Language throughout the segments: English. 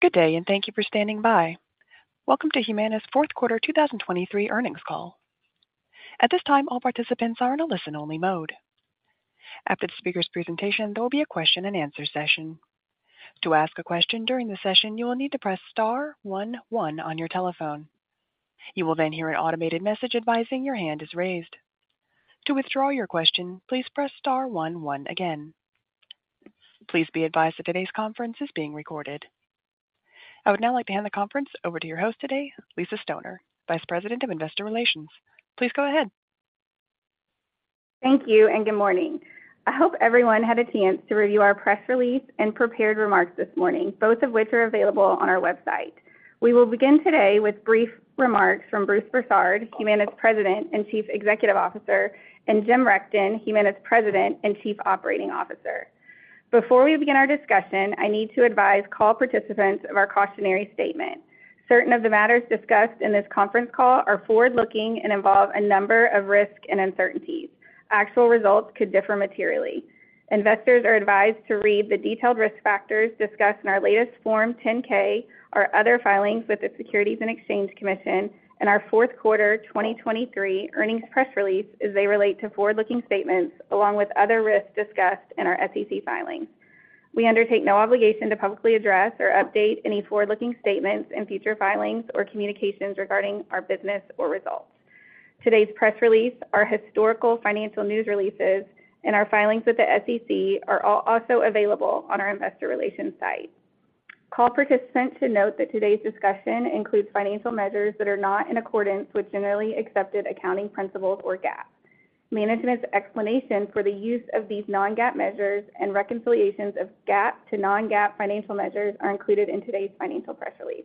Good day, and thank you for standing by. Welcome to Humana's fourth quarter 2023 earnings call. At this time, all participants are in a listen-only mode. After the speaker's presentation, there will be a question-and-answer session. To ask a question during the session, you will need to press star one one on your telephone. You will then hear an automated message advising your hand is raised. To withdraw your question, please press star one one again. Please be advised that today's conference is being recorded. I would now like to hand the conference over to your host today, Lisa Stoner, Vice President of Investor Relations. Please go ahead. Thank you, and good morning. I hope everyone had a chance to review our press release and prepared remarks this morning, both of which are available on our website. We will begin today with brief remarks from Bruce Broussard, Humana's President and Chief Executive Officer, and Jim Rechtin, Humana's President and Chief Operating Officer. Before we begin our discussion, I need to advise call participants of our cautionary statement. Certain of the matters discussed in this conference call are forward-looking and involve a number of risks and uncertainties. Actual results could differ materially. Investors are advised to read the detailed risk factors discussed in our latest Form 10-K or other filings with the Securities and Exchange Commission and our fourth quarter 2023 earnings press release as they relate to forward-looking statements, along with other risks discussed in our SEC filings. We undertake no obligation to publicly address or update any forward-looking statements in future filings or communications regarding our business or results. Today's press release, our historical financial news releases, and our filings with the SEC are all also available on our investor relations site. Call participants to note that today's discussion includes financial measures that are not in accordance with generally accepted accounting principles, or GAAP. Management's explanation for the use of these non-GAAP measures and reconciliations of GAAP to non-GAAP financial measures are included in today's financial press release.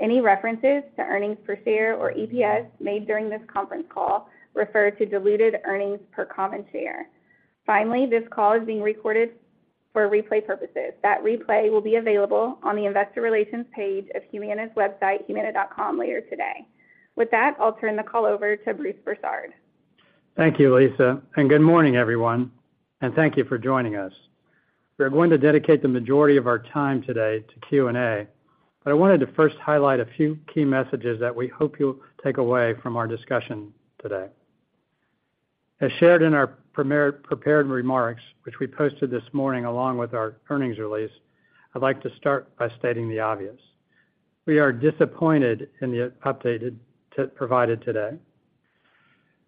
Any references to earnings per share, or EPS, made during this conference call refer to diluted earnings per common share. Finally, this call is being recorded for replay purposes. That replay will be available on the investor relations page of Humana's website, humana.com, later today. With that, I'll turn the call over to Bruce Broussard. Thank you, Lisa, and good morning, everyone, and thank you for joining us. We're going to dedicate the majority of our time today to Q&A, but I wanted to first highlight a few key messages that we hope you'll take away from our discussion today. As shared in our prepared remarks, which we posted this morning along with our earnings release, I'd like to start by stating the obvious. We are disappointed in the update provided today.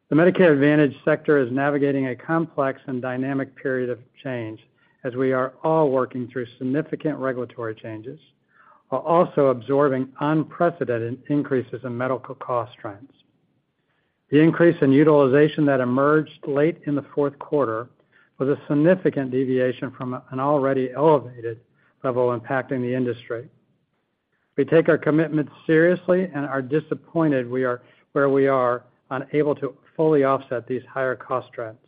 The Medicare Advantage sector is navigating a complex and dynamic period of change as we are all working through significant regulatory changes, while also absorbing unprecedented increases in medical cost trends. The increase in utilization that emerged late in the fourth quarter was a significant deviation from an already elevated level impacting the industry. We take our commitment seriously and are disappointed we are unable to fully offset these higher cost trends,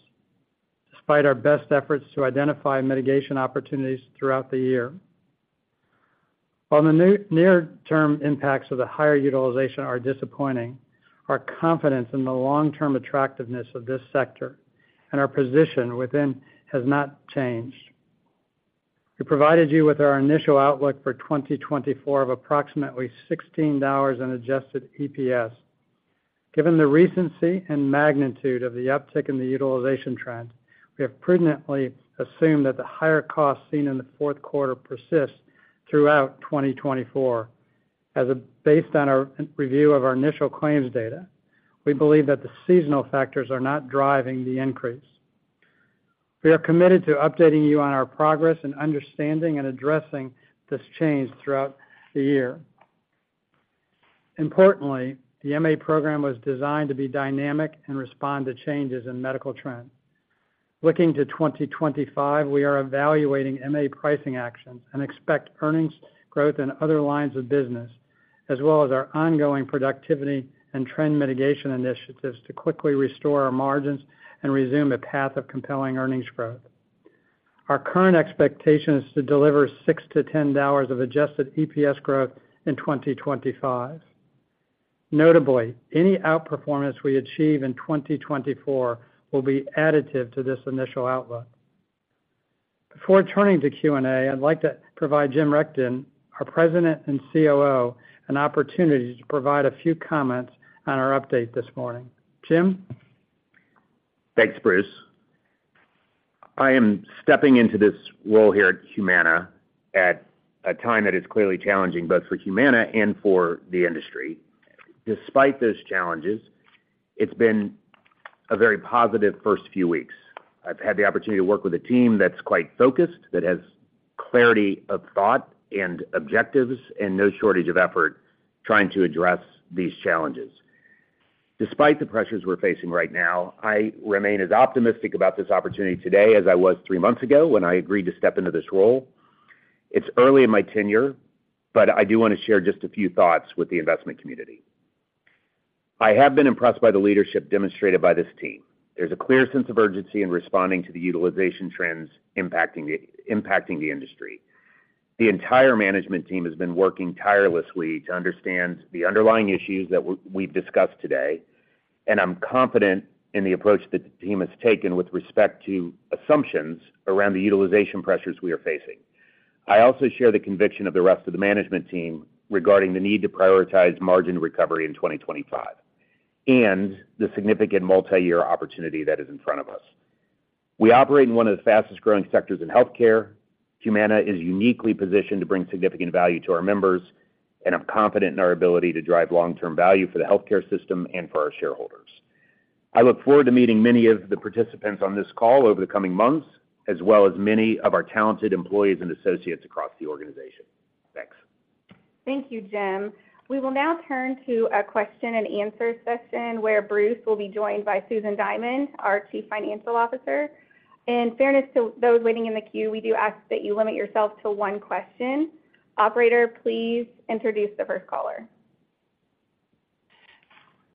despite our best efforts to identify mitigation opportunities throughout the year. While the new near-term impacts of the higher utilization are disappointing, our confidence in the long-term attractiveness of this sector and our position within has not changed. We provided you with our initial outlook for 2024 of approximately $16 in adjusted EPS. Given the recency and magnitude of the uptick in the utilization trend, we have prudently assumed that the higher costs seen in the fourth quarter persist throughout 2024. Based on our review of our initial claims data, we believe that the seasonal factors are not driving the increase. We are committed to updating you on our progress in understanding and addressing this change throughout the year. Importantly, the MA program was designed to be dynamic and respond to changes in medical trends. Looking to 2025, we are evaluating MA pricing actions and expect earnings growth in other lines of business, as well as our ongoing productivity and trend mitigation initiatives, to quickly restore our margins and resume a path of compelling earnings growth. Our current expectation is to deliver $6-$10 of adjusted EPS growth in 2025. Notably, any outperformance we achieve in 2024 will be additive to this initial outlook. Before turning to Q&A, I'd like to provide Jim Rechtin, our President and COO, an opportunity to provide a few comments on our update this morning. Jim? Thanks, Bruce. I am stepping into this role here at Humana at a time that is clearly challenging, both for Humana and for the industry. Despite those challenges, it's been a very positive first few weeks. I've had the opportunity to work with a team that's quite focused, that has clarity of thought and objectives, and no shortage of effort trying to address these challenges. Despite the pressures we're facing right now, I remain as optimistic about this opportunity today as I was three months ago when I agreed to step into this role. It's early in my tenure, but I do want to share just a few thoughts with the investment community. I have been impressed by the leadership demonstrated by this team. There's a clear sense of urgency in responding to the utilization trends impacting the industry. The entire management team has been working tirelessly to understand the underlying issues that we've discussed today, and I'm confident in the approach that the team has taken with respect to assumptions around the utilization pressures we are facing. I also share the conviction of the rest of the management team regarding the need to prioritize margin recovery in 2025, and the significant multiyear opportunity that is in front of us. We operate in one of the fastest growing sectors in healthcare. Humana is uniquely positioned to bring significant value to our members, and I'm confident in our ability to drive long-term value for the healthcare system and for our shareholders. I look forward to meeting many of the participants on this call over the coming months, as well as many of our talented employees and associates across the organization. Thanks. Thank you, Jim. We will now turn to a question-and-answer session, where Bruce will be joined by Susan Diamond, our Chief Financial Officer. In fairness to those waiting in the queue, we do ask that you limit yourself to one question. Operator, please introduce the first caller.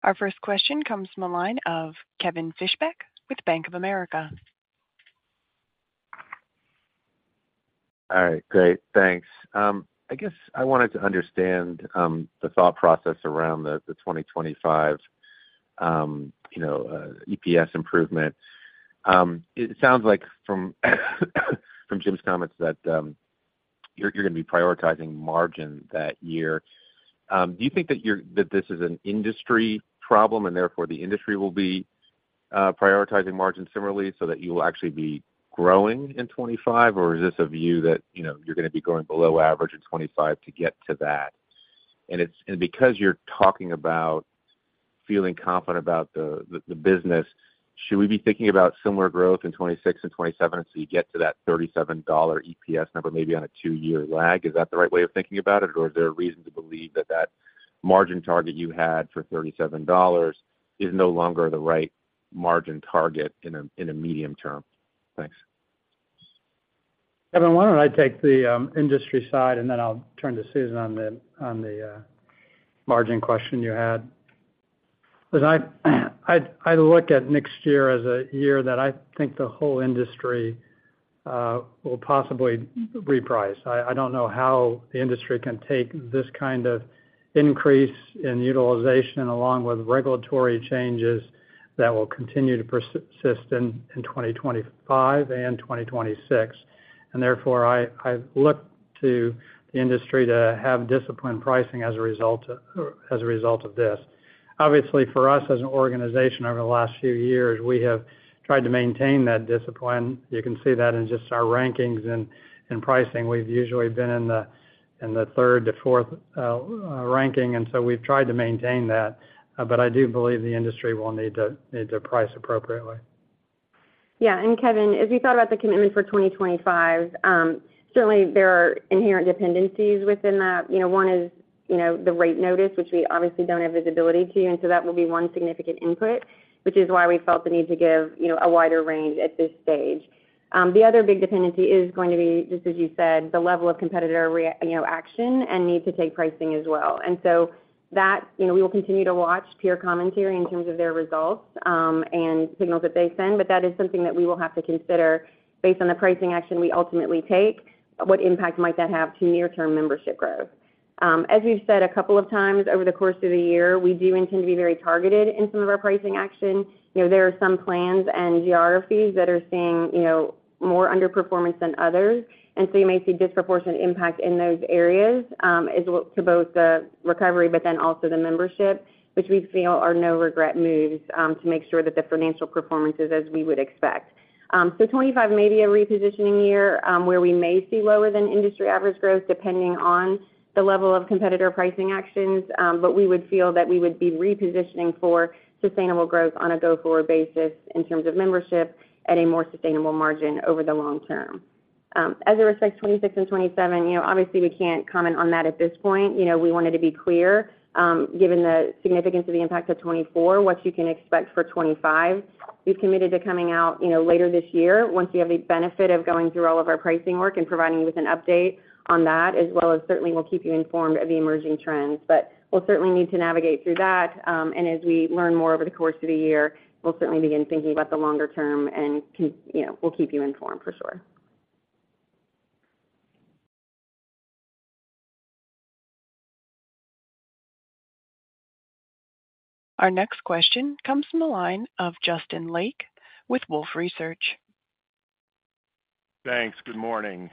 Our first question comes from the line of Kevin Fischbeck with Bank of America. All right, great, thanks. I guess I wanted to understand the thought process around the 2025 EPS improvement. You know, it sounds like from Jim's comments that you're gonna be prioritizing margin that year. Do you think that you're that this is an industry problem, and therefore, the industry will be prioritizing margins similarly so that you'll actually be growing in 2025? Or is this a view that, you know, you're gonna be growing below average in 2025 to get to that? And it's and because you're talking about feeling confident about the business, should we be thinking about similar growth in 2026 and 2027, until you get to that $37 EPS number, maybe on a two-year lag? Is that the right way of thinking about it, or is there a reason to believe that that margin target you had for $37 is no longer the right margin target in a, in a medium term? Thanks. Kevin, why don't I take the industry side, and then I'll turn to Susan on the margin question you had? Because I, I'd, I'd look at next year as a year that I think the whole industry will possibly reprice. I don't know how the industry can take this kind of increase in utilization, along with regulatory changes that will continue to persist in 2025 and 2026. And therefore, I look to the industry to have disciplined pricing as a result of, as a result of this. Obviously, for us, as an organization, over the last few years, we have tried to maintain that discipline. You can see that in just our rankings and pricing. We've usually been in the third to fourth ranking, and so we've tried to maintain that. But I do believe the industry will need to price appropriately. Yeah, and Kevin, as we thought about the commitment for 2025, certainly there are inherent dependencies within that. You know, one is, you know, the rate notice, which we obviously don't have visibility to, and so that will be one significant input, which is why we felt the need to give, you know, a wider range at this stage. The other big dependency is going to be, just as you said, the level of competitor reaction, you know, and need to take pricing as well. And so that, you know, we will continue to watch peer commentary in terms of their results, and signals that they send, but that is something that we will have to consider based on the pricing action we ultimately take, what impact might that have to near-term membership growth. As we've said a couple of times over the course of the year, we do intend to be very targeted in some of our pricing action. You know, there are some plans and geographies that are seeing, you know, more underperformance than others, and so you may see disproportionate impact in those areas, as to both the recovery, but then also the membership, which we feel are no-regret moves, to make sure that the financial performance is as we would expect. So 2025 may be a repositioning year, where we may see lower than industry average growth, depending on the level of competitor pricing actions. But we would feel that we would be repositioning for sustainable growth on a go-forward basis in terms of membership at a more sustainable margin over the long term. As it respects 2026 and 2027, you know, obviously, we can't comment on that at this point. You know, we wanted to be clear, given the significance of the impact of 2024, what you can expect for 2025. We've committed to coming out, you know, later this year, once we have the benefit of going through all of our pricing work and providing you with an update on that, as well as certainly we'll keep you informed of the emerging trends. But we'll certainly need to navigate through that, and as we learn more over the course of the year, we'll certainly begin thinking about the longer term, and you know, we'll keep you informed for sure. Our next question comes from the line of Justin Lake with Wolfe Research. Thanks. Good morning.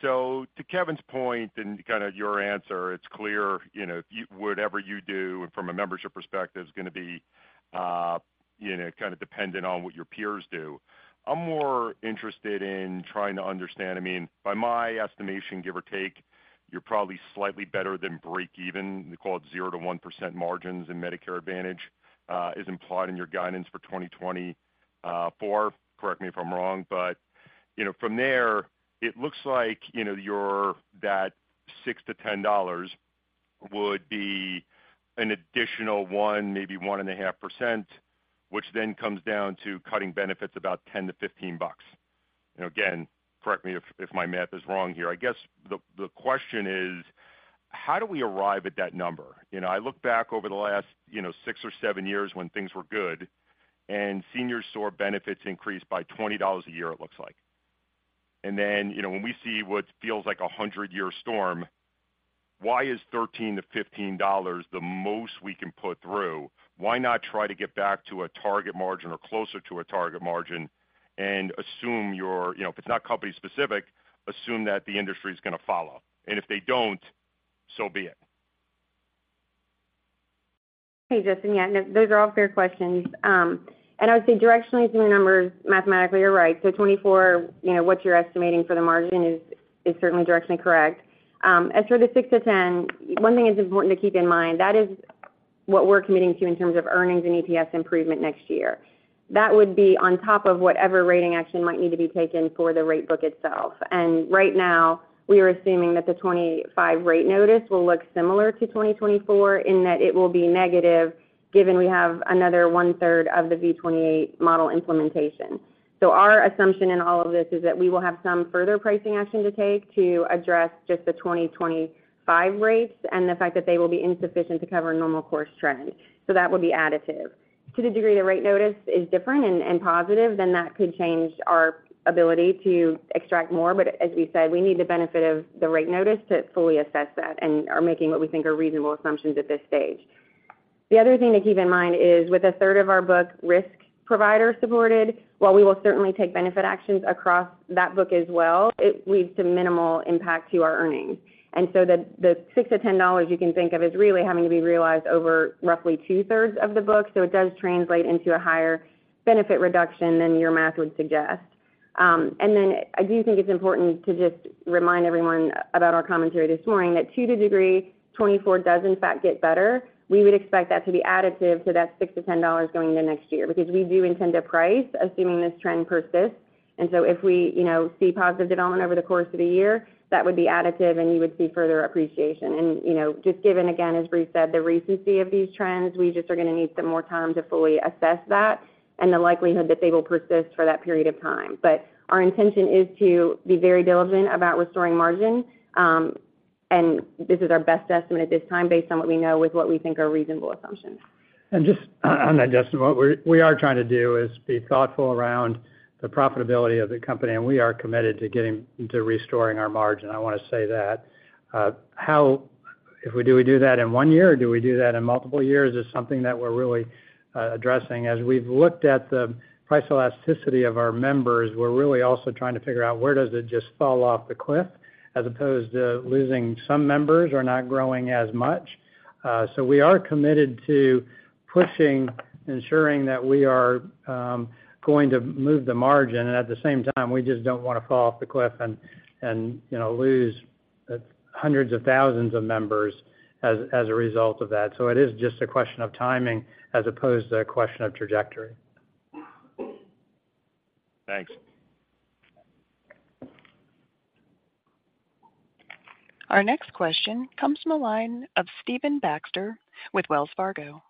So to Kevin's point and kind of your answer, it's clear, you know, you, whatever you do from a membership perspective, is gonna be, you know, kind of dependent on what your peers do. I'm more interested in trying to understand, I mean, by my estimation, give or take, you're probably slightly better than break even. We call it 0%-1% margins in Medicare Advantage, is implied in your guidance for 2024. Correct me if I'm wrong, but you know, from there, it looks like, you know, your that $6-$10 would be an additional 1%, maybe 1.5%, which then comes down to cutting benefits about $10-$15. You know, again, correct me if my math is wrong here. I guess the question is: How do we arrive at that number? You know, I look back over the last, you know, six or seven years when things were good, and seniors' core benefits increased by $20 a year, it looks like.... And then, you know, when we see what feels like a 100-year storm, why is $13-$15 the most we can put through? Why not try to get back to a target margin or closer to a target margin and assume your, you know, if it's not company-specific, assume that the industry is gonna follow? And if they don't, so be it. Hey, Justin. Yeah, those are all fair questions. And I would say directionally, some of the numbers, mathematically you're right. So 2024, you know, what you're estimating for the margin is, is certainly directionally correct. As for the 6-10, one thing is important to keep in mind, that is what we're committing to in terms of earnings and EPS improvement next year. That would be on top of whatever rating action might need to be taken for the rate book itself. And right now, we are assuming that the 2025 rate notice will look similar to 2024, in that it will be negative, given we have another one-third of the V28 model implementation. So our assumption in all of this is that we will have some further pricing action to take to address just the 2025 rates and the fact that they will be insufficient to cover normal course trend. So that would be additive. To the degree the rate notice is different and, and positive, then that could change our ability to extract more, but as we said, we need the benefit of the rate notice to fully assess that and are making what we think are reasonable assumptions at this stage. The other thing to keep in mind is, with a third of our book risk provider supported, while we will certainly take benefit actions across that book as well, it leads to minimal impact to our earnings. And so the six to ten dollars you can think of as really having to be realized over roughly two-thirds of the book, so it does translate into a higher benefit reduction than your math would suggest. And then I do think it's important to just remind everyone about our commentary this morning, that to the degree 2024 does in fact get better, we would expect that to be additive to that $6-$10 going into next year, because we do intend to price, assuming this trend persists. And so if we, you know, see positive development over the course of the year, that would be additive, and you would see further appreciation. You know, just given, again, as Bruce said, the recency of these trends, we just are gonna need some more time to fully assess that and the likelihood that they will persist for that period of time. But our intention is to be very diligent about restoring margin, and this is our best estimate at this time, based on what we know with what we think are reasonable assumptions. Just, on that, Justin, what we are trying to do is be thoughtful around the profitability of the company, and we are committed to getting to restoring our margin. I want to say that. If we do that in one year, or do we do that in multiple years, is something that we're really addressing. As we've looked at the price elasticity of our members, we're really also trying to figure out where does it just fall off the cliff, as opposed to losing some members or not growing as much. So we are committed to pushing, ensuring that we are going to move the margin, and at the same time, we just don't want to fall off the cliff and, you know, lose hundreds of thousands of members as a result of that. It is just a question of timing as opposed to a question of trajectory. Thanks. Our next question comes from the line of Stephen Baxter with Wells Fargo.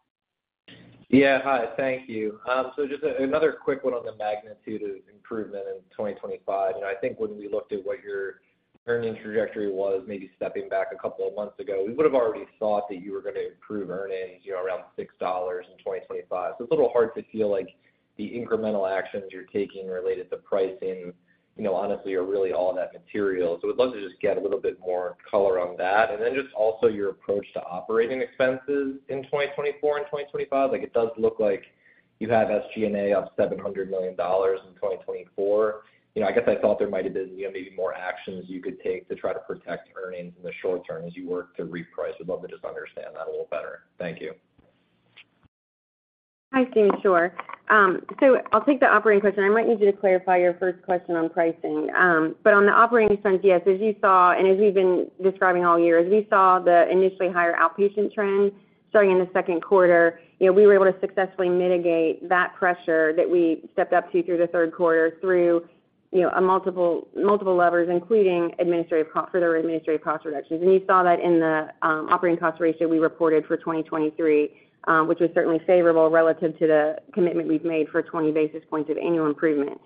Yeah. Hi, thank you. So just another quick one on the magnitude of improvement in 2025. You know, I think when we looked at what your earnings trajectory was, maybe stepping back a couple of months ago, we would have already thought that you were going to improve earnings, you know, around $6 in 2025. So it's a little hard to feel like the incremental actions you're taking related to pricing, you know, honestly, are really all that material. So we'd love to just get a little bit more color on that, and then just also your approach to operating expenses in 2024 and 2025. Like, it does look like you have SG&A up $700 million in 2024. You know, I guess I thought there might have been maybe more actions you could take to try to protect earnings in the short term as you work to reprice. I'd love to just understand that a little better. Thank you. Hi, Stephen. Sure. So I'll take the operating question. I might need you to clarify your first question on pricing. But on the operating front, yes, as you saw, and as we've been describing all year, as we saw the initially higher outpatient trend starting in the second quarter, you know, we were able to successfully mitigate that pressure that we stepped up to through the third quarter, through, you know, a multiple, multiple levers, including administrative cost, further administrative cost reductions. And you saw that in the operating cost ratio we reported for 2023, which was certainly favorable relative to the commitment we've made for 20 basis points of annual improvement.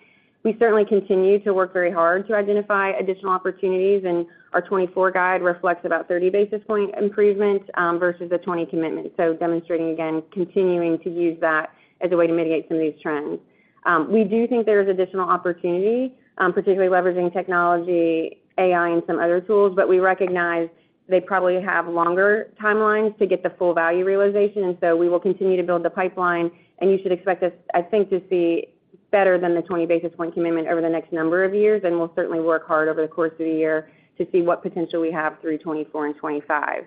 We certainly continue to work very hard to identify additional opportunities, and our 2024 guide reflects about 30 basis point improvement versus the 20 commitment. So demonstrating, again, continuing to use that as a way to mitigate some of these trends. We do think there is additional opportunity, particularly leveraging technology, AI, and some other tools, but we recognize they probably have longer timelines to get the full value realization. And so we will continue to build the pipeline, and you should expect us, I think, to see better than the 20 basis point commitment over the next number of years. And we'll certainly work hard over the course of the year to see what potential we have through 2024 and 2025.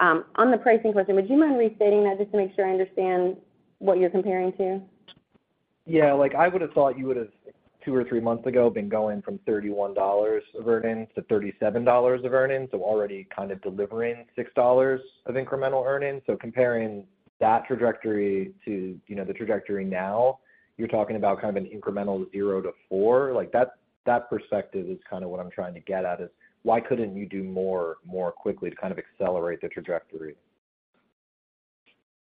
On the pricing question, would you mind restating that, just to make sure I understand what you're comparing to? Yeah. Like, I would have thought you would have, 2 or 3 months ago, been going from $31 of earnings to $37 of earnings, so already kind of delivering $6 of incremental earnings. So comparing that trajectory to, you know, the trajectory now, you're talking about kind of an incremental $0-$4. Like, that, that perspective is kind of what I'm trying to get at is, why couldn't you do more, more quickly to kind of accelerate the trajectory? ...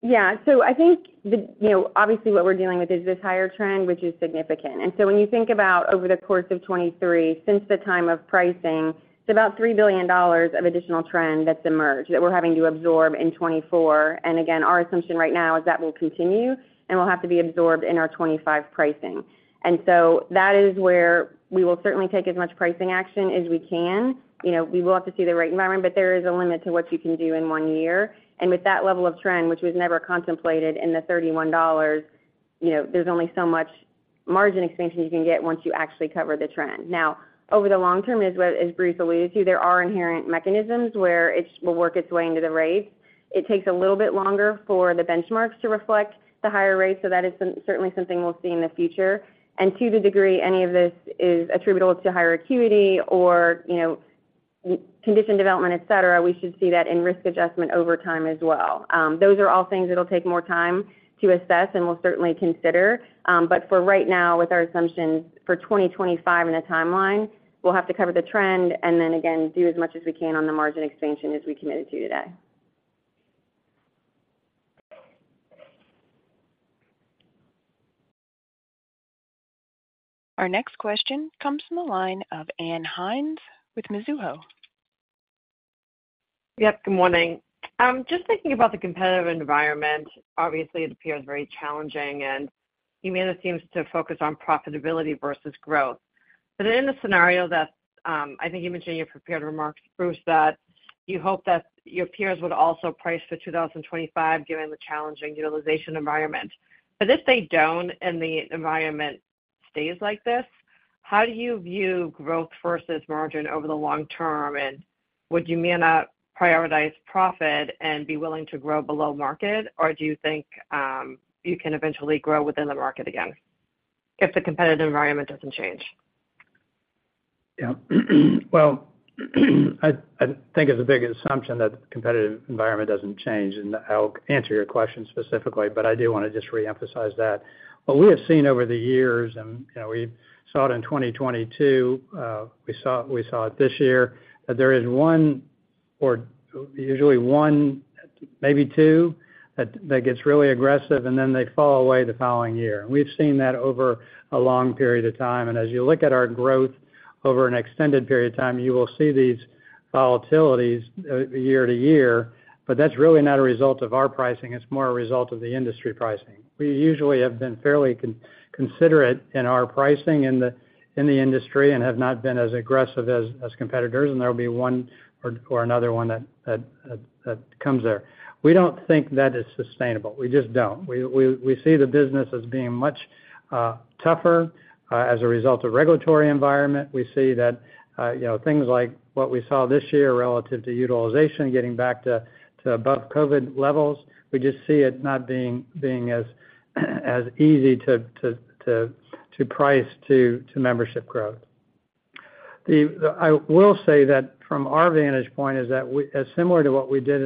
Yeah. So I think the, you know, obviously, what we're dealing with is this higher trend, which is significant. And so when you think about over the course of 2023, since the time of pricing, it's about $3 billion of additional trend that's emerged, that we're having to absorb in 2024. And again, our assumption right now is that will continue, and will have to be absorbed in our 2025 pricing. And so that is where we will certainly take as much pricing action as we can. You know, we will have to see the right environment, but there is a limit to what you can do in one year. And with that level of trend, which was never contemplated in the $31, you know, there's only so much margin expansion you can get once you actually cover the trend. Now, over the long term, as Bruce alluded to, there are inherent mechanisms where it will work its way into the rates. It takes a little bit longer for the benchmarks to reflect the higher rates, so that is certainly something we'll see in the future. And to the degree any of this is attributable to higher acuity or, you know, condition development, et cetera, we should see that in risk adjustment over time as well. Those are all things that'll take more time to assess, and we'll certainly consider. But for right now, with our assumptions for 2025 and a timeline, we'll have to cover the trend and then again, do as much as we can on the margin expansion as we committed to today. Our next question comes from the line of Ann Hynes with Mizuho. Yep, good morning. Just thinking about the competitive environment, obviously, it appears very challenging, and Humana seems to focus on profitability versus growth. But in the scenario that, I think you mentioned in your prepared remarks, Bruce, that you hope that your peers would also price for 2025 given the challenging utilization environment. But if they don't and the environment stays like this, how do you view growth versus margin over the long term? And would Humana prioritize profit and be willing to grow below market? Or do you think, you can eventually grow within the market again, if the competitive environment doesn't change? Yeah. Well, I think it's a big assumption that the competitive environment doesn't change, and I'll answer your question specifically, but I do want to just reemphasize that. What we have seen over the years, and, you know, we saw it in 2022, we saw it this year, that there is one or usually one, maybe two, that gets really aggressive, and then they fall away the following year. And we've seen that over a long period of time. And as you look at our growth over an extended period of time, you will see these volatilities year to year. But that's really not a result of our pricing, it's more a result of the industry pricing. We usually have been fairly considerate in our pricing in the industry and have not been as aggressive as competitors, and there'll be one or another one that comes there. We don't think that is sustainable. We just don't. We see the business as being much tougher as a result of regulatory environment. We see that, you know, things like what we saw this year relative to utilization getting back to above COVID levels. We just see it not being as easy to price to membership growth. I will say that from our vantage point is that we... As similar to what we did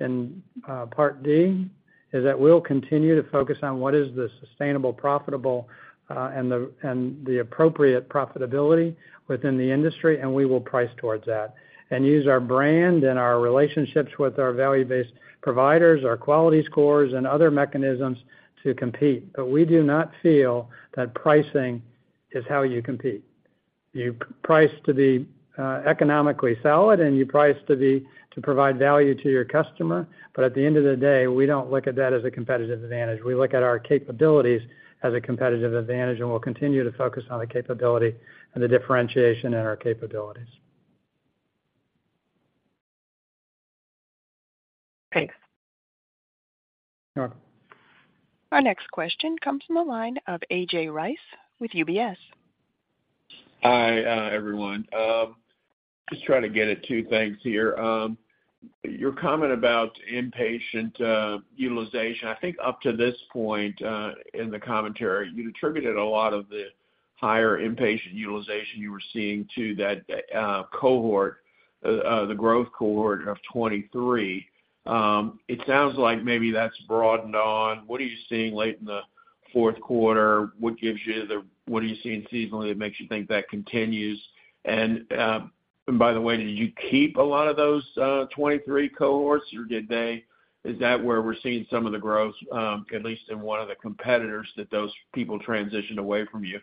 in Part D, is that we'll continue to focus on what is the sustainable, profitable, and the appropriate profitability within the industry, and we will price towards that, and use our brand and our relationships with our value-based providers, our quality scores, and other mechanisms to compete. But we do not feel that pricing is how you compete. You price to be economically solid, and you price to provide value to your customer. But at the end of the day, we don't look at that as a competitive advantage. We look at our capabilities as a competitive advantage, and we'll continue to focus on the capability and the differentiation in our capabilities. Thanks. You're welcome. Our next question comes from the line of A.J. Rice with UBS. Hi, everyone. Just trying to get at two things here. Your comment about inpatient utilization, I think up to this point in the commentary, you attributed a lot of the higher inpatient utilization you were seeing to that cohort, the growth cohort of 2023. It sounds like maybe that's broadened on. What are you seeing late in the fourth quarter? What are you seeing seasonally that makes you think that continues? And by the way, did you keep a lot of those 2023 cohorts, or is that where we're seeing some of the growth, at least in one of the competitors, that those people transitioned away from you?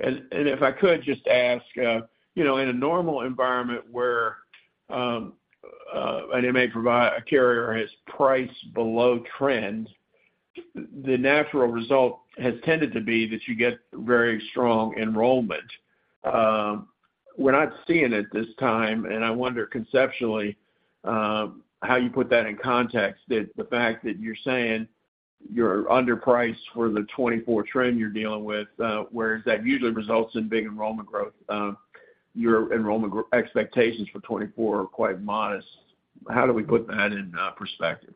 And if I could just ask, you know, in a normal environment where an MA provider, a carrier is priced below trend, the natural result has tended to be that you get very strong enrollment. We're not seeing it this time, and I wonder, conceptually, how you put that in context, that the fact that you're saying you're underpriced for the 2024 trend you're dealing with, whereas that usually results in big enrollment growth, your enrollment growth expectations for 2024 are quite modest. How do we put that in perspective?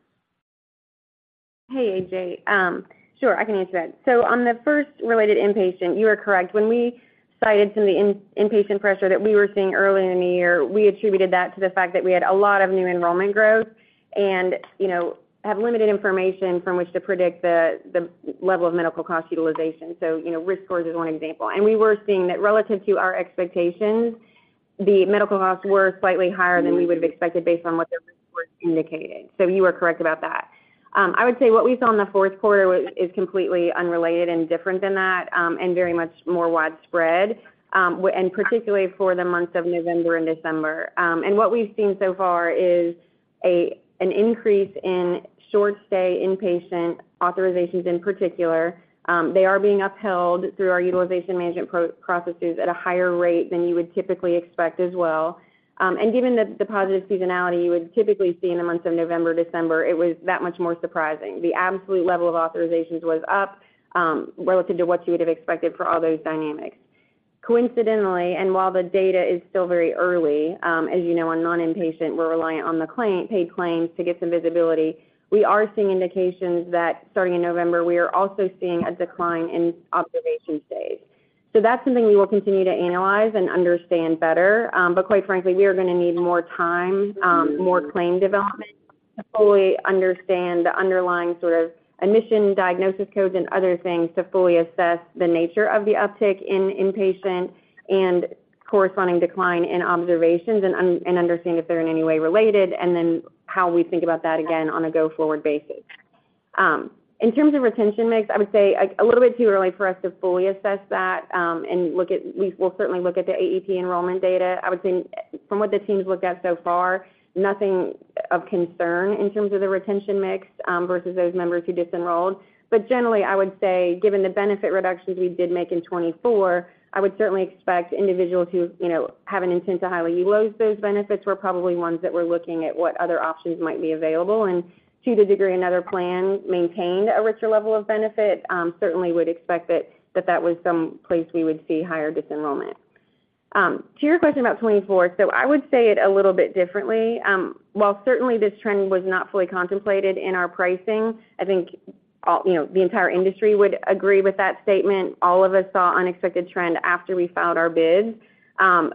Hey, AJ. Sure, I can answer that. So on the first, related to inpatient, you are correct. When we cited some of the inpatient pressure that we were seeing earlier in the year, we attributed that to the fact that we had a lot of new enrollment growth and, you know, have limited information from which to predict the, the level of medical cost utilization. So, you know, risk scores is one example. And we were seeing that relative to our expectations, the medical costs were slightly higher than we would have expected based on what the reports indicated. So you are correct about that. I would say what we saw in the fourth quarter was, is completely unrelated and different than that, and very much more widespread, and particularly for the months of November and December. And what we've seen so far is an increase in short stay inpatient authorizations in particular. They are being upheld through our utilization management processes at a higher rate than you would typically expect as well. And given the positive seasonality you would typically see in the months of November, December, it was that much more surprising. The absolute level of authorizations was up, relative to what you would have expected for all those dynamics. Coincidentally, and while the data is still very early, as you know, on non-inpatient, we're reliant on the paid claims to get some visibility. We are seeing indications that starting in November, we are also seeing a decline in observation stays. So that's something we will continue to analyze and understand better. But quite frankly, we are gonna need more time, more claim development to fully understand the underlying sort of admission, diagnosis codes and other things to fully assess the nature of the uptick in inpatient and corresponding decline in observations and understand if they're in any way related, and then how we think about that again on a go-forward basis. In terms of retention mix, I would say a little bit too early for us to fully assess that, and look at—we will certainly look at the AEP enrollment data. I would say, from what the team's looked at so far, nothing of concern in terms of the retention mix, versus those members who disenrolled. But generally, I would say, given the benefit reductions we did make in 2024, I would certainly expect individuals who, you know, have an intent to highly use those benefits, were probably ones that were looking at what other options might be available, and to the degree another plan maintained a richer level of benefit, certainly would expect that, that, that was some place we would see higher disenrollment. To your question about 2024, so I would say it a little bit differently. While certainly this trend was not fully contemplated in our pricing, I think, you know, the entire industry would agree with that statement. All of us saw unexpected trend after we filed our bids.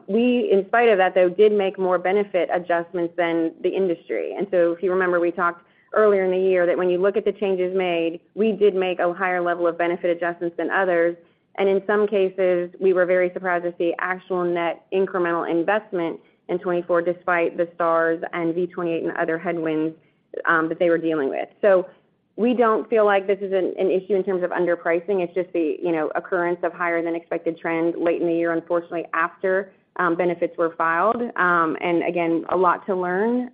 We, in spite of that, though, did make more benefit adjustments than the industry. So if you remember, we talked earlier in the year, that when you look at the changes made, we did make a higher level of benefit adjustments than others, and in some cases, we were very surprised to see actual net incremental investment in 2024, despite the Stars and V28 and other headwinds, that they were dealing with. So we don't feel like this is an issue in terms of underpricing. It's just the, you know, occurrence of higher than expected trends late in the year, unfortunately, after benefits were filed. And again, a lot to learn,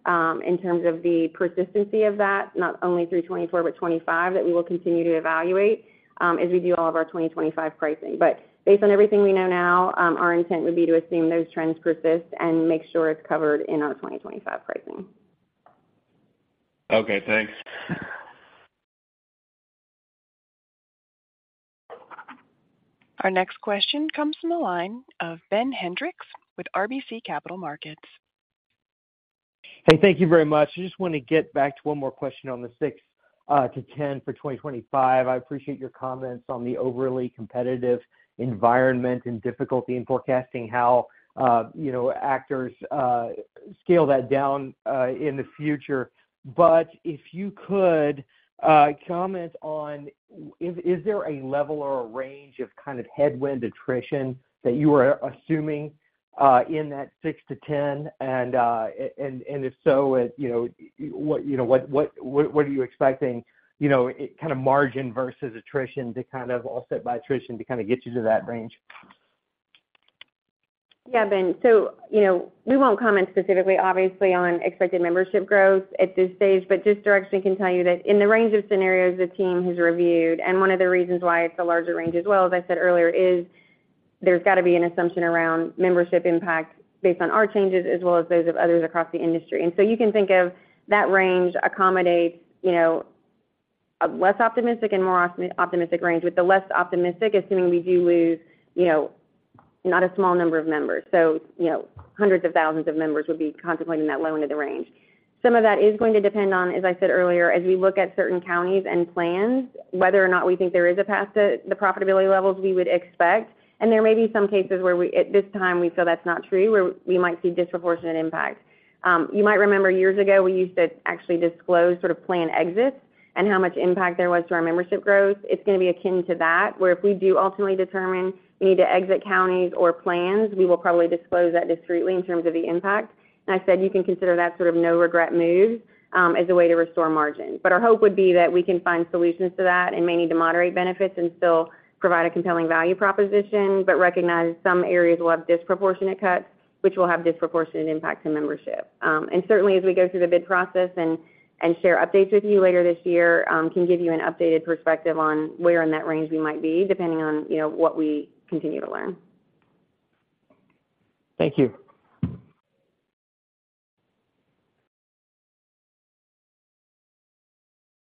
in terms of the persistency of that, not only through 2024, but 2025, that we will continue to evaluate, as we do all of our 2025 pricing. But based on everything we know now, our intent would be to assume those trends persist and make sure it's covered in our 2025 pricing. Okay, thanks. Our next question comes from the line of Ben Hendrix with RBC Capital Markets. Hey, thank you very much. I just want to get back to one more question on the six-10 for 2025. I appreciate your comments on the overly competitive environment and difficulty in forecasting how, you know, actors scale that down in the future. But if you could comment on, is there a level or a range of kind of headwind attrition that you are assuming in that 6-10? And, and if so, you know, what are you expecting, you know, kind of margin versus attrition to kind of offset by attrition to kind of get you to that range? Yeah, Ben. So, you know, we won't comment specifically, obviously, on expected membership growth at this stage, but just directly can tell you that in the range of scenarios the team has reviewed, and one of the reasons why it's a larger range as well, as I said earlier, is there's got to be an assumption around membership impact based on our changes as well as those of others across the industry. And so you can think of that range accommodates, you know, a less optimistic and more optimistic range, with the less optimistic, assuming we do lose, you know, not a small number of members. So, you know, hundreds of thousands of members would be contemplating that low end of the range. Some of that is going to depend on, as I said earlier, as we look at certain counties and plans, whether or not we think there is a path to the profitability levels we would expect. And there may be some cases where we, at this time, we feel that's not true, where we might see disproportionate impact. You might remember years ago, we used to actually disclose sort of plan exits and how much impact there was to our membership growth. It's gonna be akin to that, where if we do ultimately determine we need to exit counties or plans, we will probably disclose that discretely in terms of the impact. And I said, you can consider that sort of no regret move, as a way to restore margin. But our hope would be that we can find solutions to that and may need to moderate benefits and still provide a compelling value proposition, but recognize some areas will have disproportionate cuts, which will have disproportionate impacts on membership. And certainly as we go through the bid process and share updates with you later this year, can give you an updated perspective on where in that range we might be, depending on, you know, what we continue to learn. Thank you.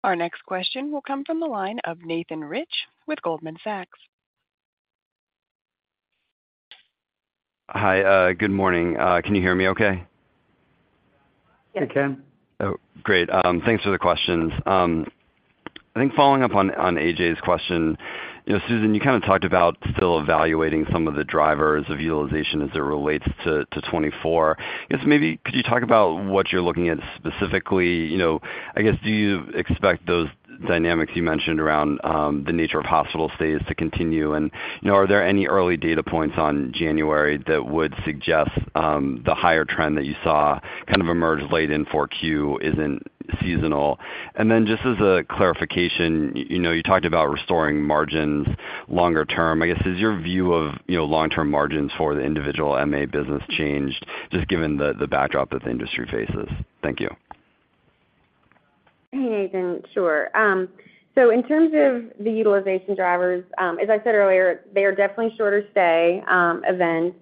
Our next question will come from the line of Nathan Rich with Goldman Sachs. Hi, good morning. Can you hear me okay? Yes. We can. Oh, great. Thanks for the questions. I think following up on AJ's question, you know, Susan, you kind of talked about still evaluating some of the drivers of utilization as it relates to 2024. I guess maybe could you talk about what you're looking at specifically? You know, I guess, do you expect those dynamics you mentioned around the nature of hospital stays to continue? And, you know, are there any early data points on January that would suggest the higher trend that you saw kind of emerge late in Q4 isn't seasonal? And then just as a clarification, you know, you talked about restoring margins longer term. I guess, has your view of, you know, long-term margins for the individual MA business changed, just given the backdrop that the industry faces? Thank you. Hey, Nathan. Sure. So in terms of the utilization drivers, as I said earlier, they are definitely shorter stay events.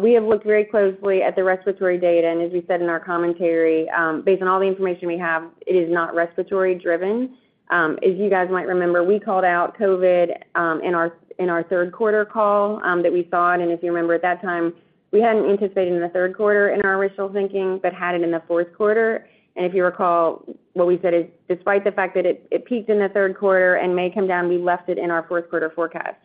We have looked very closely at the respiratory data, and as we said in our commentary, based on all the information we have, it is not respiratory driven. As you guys might remember, we called out COVID in our third quarter call, that we saw it. And if you remember, at that time, we hadn't anticipated in the third quarter in our original thinking, but had it in the fourth quarter. And if you recall, what we said is, despite the fact that it peaked in the third quarter and may come down, we left it in our fourth quarter forecast.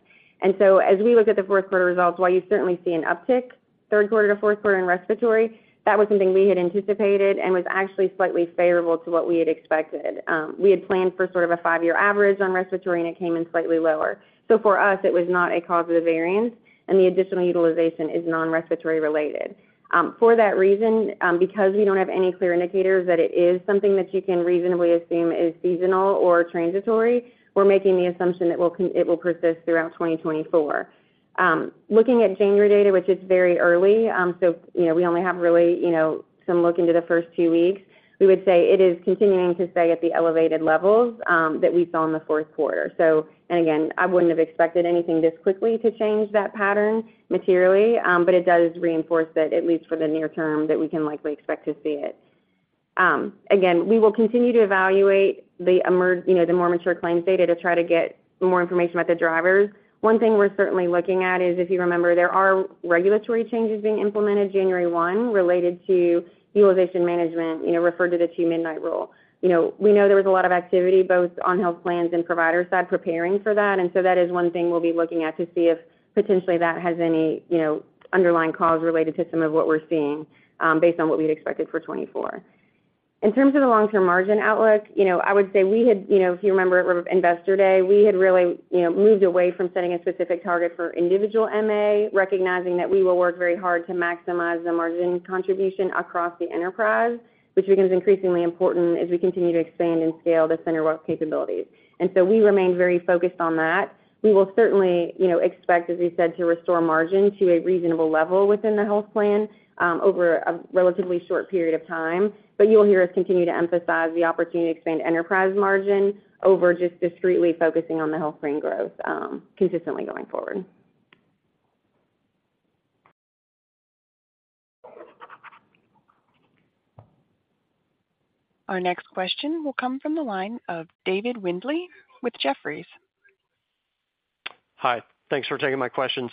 And so as we look at the fourth quarter results, while you certainly see an uptick, third quarter to fourth quarter in respiratory, that was something we had anticipated and was actually slightly favorable to what we had expected. We had planned for sort of a five-year average on respiratory, and it came in slightly lower. So for us, it was not a cause of the variance, and the additional utilization is non-respiratory related. For that reason, because we don't have any clear indicators that it is something that you can reasonably assume is seasonal or transitory, we're making the assumption that it will persist throughout 2024. Looking at January data, which is very early, so, you know, we only have really, you know, some look into the first two weeks, we would say it is continuing to stay at the elevated levels that we saw in the fourth quarter. So, and again, I wouldn't have expected anything this quickly to change that pattern materially, but it does reinforce that at least for the near term, that we can likely expect to see it. Again, we will continue to evaluate the emerging, you know, the more mature claims data to try to get more information about the drivers. One thing we're certainly looking at is, if you remember, there are regulatory changes being implemented January 1, related to utilization management, you know, referred to the Two-Midnight Rule. You know, we know there was a lot of activity, both on health plans and provider side, preparing for that, and so that is one thing we'll be looking at to see if potentially that has any, you know, underlying cause related to some of what we're seeing, based on what we'd expected for 2024. In terms of the long-term margin outlook, you know, I would say we had, you know, if you remember at Investor Day, we had really, you know, moved away from setting a specific target for individual MA, recognizing that we will work very hard to maximize the margin contribution across the enterprise, which becomes increasingly important as we continue to expand and scale the CenterWell capabilities. And so we remain very focused on that. We will certainly, you know, expect, as we said, to restore margin to a reasonable level within the health plan, over a relatively short period of time. But you will hear us continue to emphasize the opportunity to expand enterprise margin over just discreetly focusing on the health plan growth, consistently going forward. Our next question will come from the line of David Windley with Jefferies. Hi, thanks for taking my questions.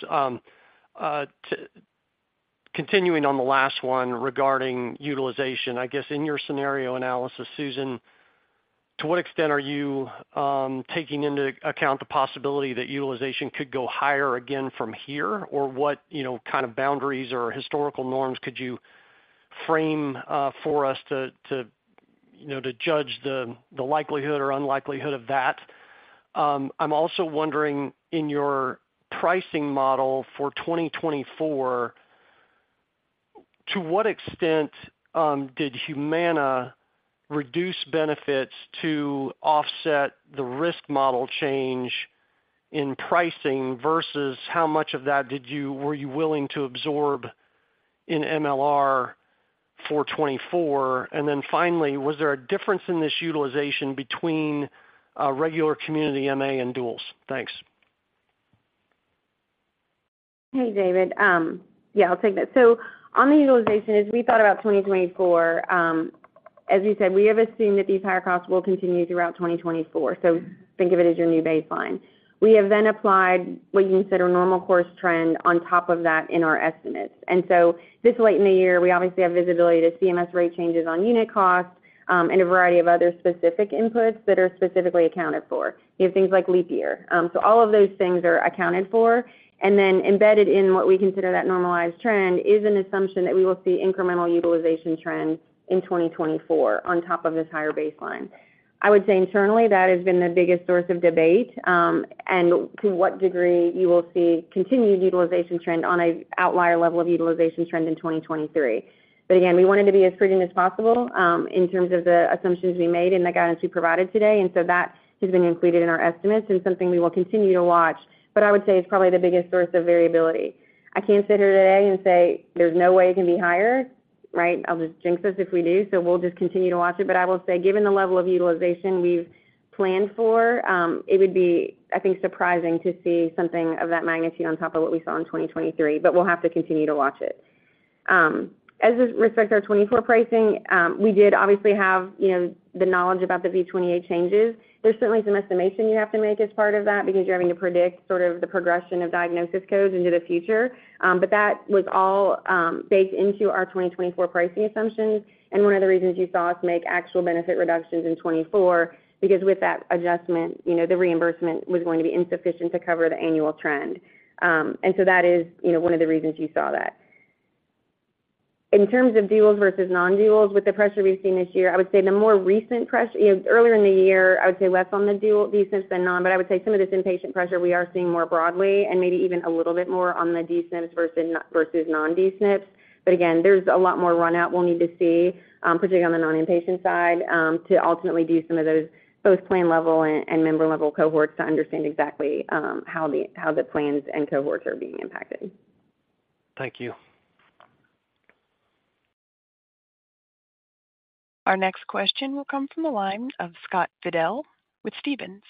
Continuing on the last one regarding utilization, I guess in your scenario analysis, Susan, to what extent are you taking into account the possibility that utilization could go higher again from here? Or what, you know, kind of boundaries or historical norms could you frame for us to you know, to judge the likelihood or unlikelihood of that? I'm also wondering, in your pricing model for 2024, to what extent did Humana reduce benefits to offset the risk model change in pricing, versus how much of that did you—were you willing to absorb in MLR for 2024? And then finally, was there a difference in this utilization between regular community MA and duals? Thanks. Hey, David. Yeah, I'll take that. So on the utilization, as we thought about 2024, as you said, we have assumed that these higher costs will continue throughout 2024, so think of it as your new baseline. We have then applied what you consider normal course trend on top of that in our estimates. And so this late in the year, we obviously have visibility to CMS rate changes on unit costs, and a variety of other specific inputs that are specifically accounted for. You have things like leap year. So all of those things are accounted for, and then embedded in what we consider that normalized trend is an assumption that we will see incremental utilization trends in 2024 on top of this higher baseline. I would say internally, that has been the biggest source of debate, and to what degree you will see continued utilization trend on a outlier level of utilization trend in 2023. But again, we wanted to be as prudent as possible, in terms of the assumptions we made and the guidance we provided today, and so that has been included in our estimates and something we will continue to watch. But I would say it's probably the biggest source of variability. I can't sit here today and say, "There's no way it can be higher," right? I'll just jinx us if we do, so we'll just continue to watch it. But I will say, given the level of utilization we've planned for, it would be, I think, surprising to see something of that magnitude on top of what we saw in 2023, but we'll have to continue to watch it... as respects our 2024 pricing, we did obviously have, you know, the knowledge about the V28 changes. There's certainly some estimation you have to make as part of that, because you're having to predict sort of the progression of diagnosis codes into the future. But that was all, baked into our 2024 pricing assumptions. And one of the reasons you saw us make actual benefit reductions in 2024, because with that adjustment, you know, the reimbursement was going to be insufficient to cover the annual trend. And so that is, you know, one of the reasons you saw that. In terms of duals versus non-duals, with the pressure we've seen this year, I would say the more recent press, earlier in the year, I would say less on the dual D-SNPs than non, but I would say some of this inpatient pressure, we are seeing more broadly and maybe even a little bit more on the D-SNPs versus non-D-SNPs. But again, there's a lot more run out we'll need to see, particularly on the non-inpatient side, to ultimately do some of those, both plan level and member level cohorts to understand exactly how the plans and cohorts are being impacted. Thank you. Our next question will come from the lines of Scott Fidel with Stephens.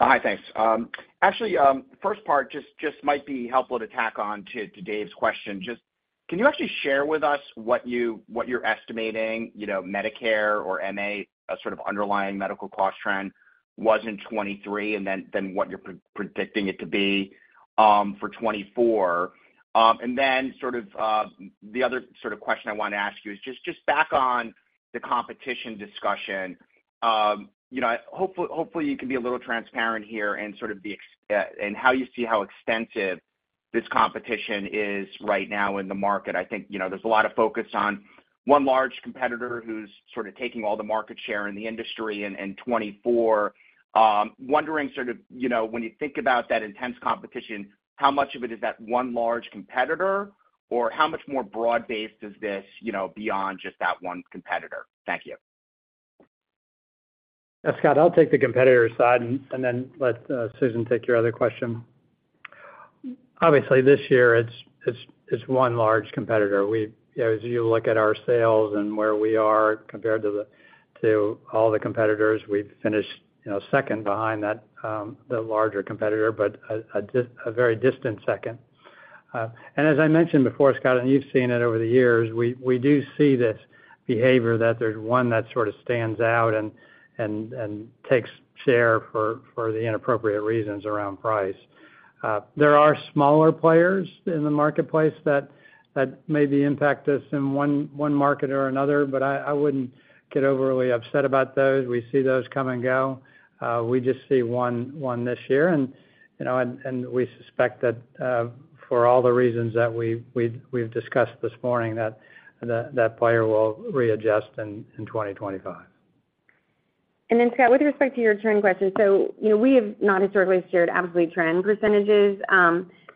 Hi, thanks. Actually, first part just might be helpful to tack on to Dave's question. Just, can you actually share with us what you're estimating, you know, Medicare or MA, a sort of underlying medical cost trend was in 2023, and then what you're predicting it to be for 2024? And then sort of the other sort of question I want to ask you is just back on the competition discussion. You know, hopefully you can be a little transparent here and sort of the extent and how you see how extensive this competition is right now in the market. I think, you know, there's a lot of focus on one large competitor who's sort of taking all the market share in the industry in 2024. Wondering sort of, you know, when you think about that intense competition, how much of it is that one large competitor, or how much more broad-based is this, you know, beyond just that one competitor? Thank you. Yeah, Scott, I'll take the competitor side and then let Susan take your other question. Obviously, this year it's one large competitor. We've, you know, as you look at our sales and where we are compared to the, to all the competitors, we've finished, you know, second behind that, the larger competitor, but a very distant second. And as I mentioned before, Scott, and you've seen it over the years, we do see this behavior that there's one that sort of stands out and takes share for the inappropriate reasons around price. There are smaller players in the marketplace that maybe impact us in one market or another, but I wouldn't get overly upset about those. We see those come and go. We just see one this year, and, you know, we suspect that for all the reasons that we've discussed this morning, that player will readjust in 2025. Then, Scott, with respect to your return question, so you know, we have not historically shared absolute trend percentages.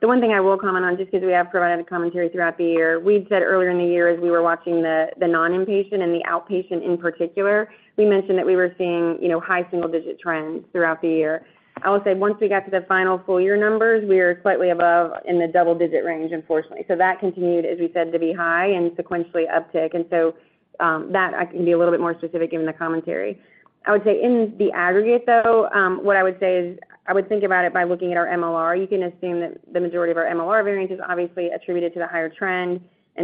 The one thing I will comment on, just because we have provided commentary throughout the year, we've said earlier in the year, as we were watching the non-inpatient and the outpatient in particular, we mentioned that we were seeing, you know, high single digit trends throughout the year. I will say, once we got to the final full year numbers, we were slightly above in the double digit range, unfortunately. That continued, as we said, to be high and sequentially uptick, and so, that I can be a little bit more specific, given the commentary. I would say in the aggregate, though, what I would say is, I would think about it by looking at our MLR. You can assume that the majority of our MLR variance is obviously attributed to the higher trend.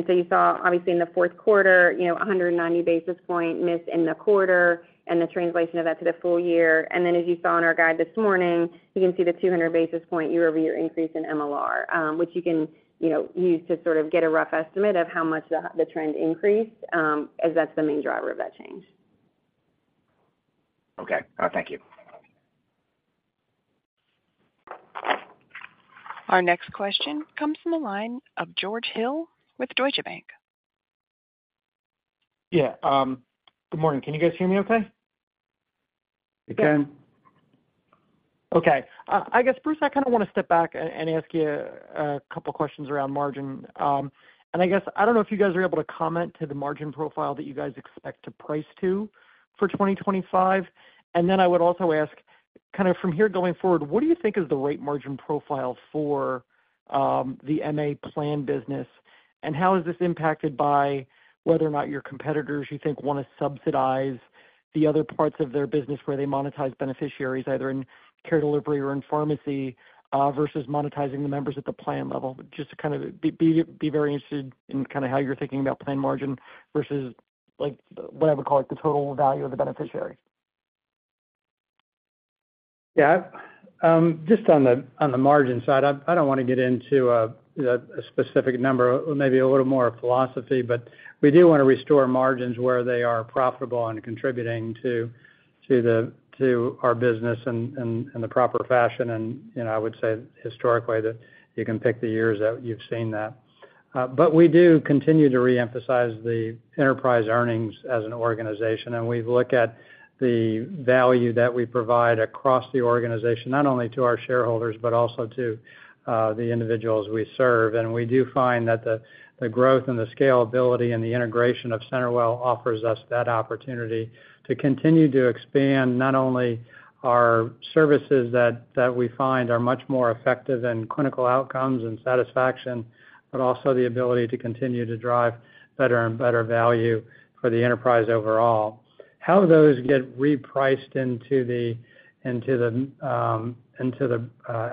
So you saw, obviously, in the fourth quarter, you know, a 190 basis point miss in the quarter and the translation of that to the full year. And then, as you saw in our guide this morning, you can see the 200 basis point year-over-year increase in MLR, which you can, you know, use to sort of get a rough estimate of how much the, the trend increased, as that's the main driver of that change. Okay, thank you. Our next question comes from the line of George Hill with Deutsche Bank. Yeah, good morning. Can you guys hear me okay? We can. Okay. I guess first, I kind of want to step back and ask you a couple questions around margin. And I guess, I don't know if you guys are able to comment to the margin profile that you guys expect to price to for 2025. And then I would also ask, kind of from here going forward, what do you think is the right margin profile for the MA plan business? And how is this impacted by whether or not your competitors, you think, want to subsidize the other parts of their business where they monetize beneficiaries, either in care delivery or in pharmacy versus monetizing the members at the plan level? Just to kind of be very interested in kind of how you're thinking about plan margin versus, like, what I would call, like, the total value of the beneficiary. Yeah. Just on the margin side, I don't want to get into a specific number, maybe a little more philosophy, but we do want to restore margins where they are profitable and contributing to our business in the proper fashion. And, you know, I would say historically, that you can pick the years that you've seen that. But we do continue to reemphasize the enterprise earnings as an organization, and we look at the value that we provide across the organization, not only to our shareholders, but also to the individuals we serve. We do find that the growth and the scalability and the integration of CenterWell offers us that opportunity to continue to expand not only our services that we find are much more effective in clinical outcomes and satisfaction, but also the ability to continue to drive better and better value for the enterprise overall. How those get repriced into the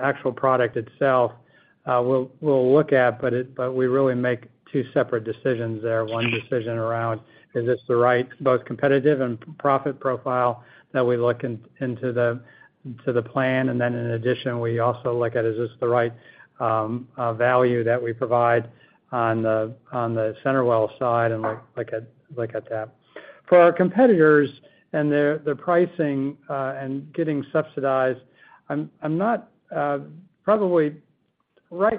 actual product itself, we'll look at, but it, but we really make two separate decisions there. One decision around, is this the right, both competitive and profit profile that we look into the plan? Then, in addition, we also look at, is this the right value that we provide on the CenterWell side, and look at that. For our competitors and their pricing and getting subsidized, I'm not—Right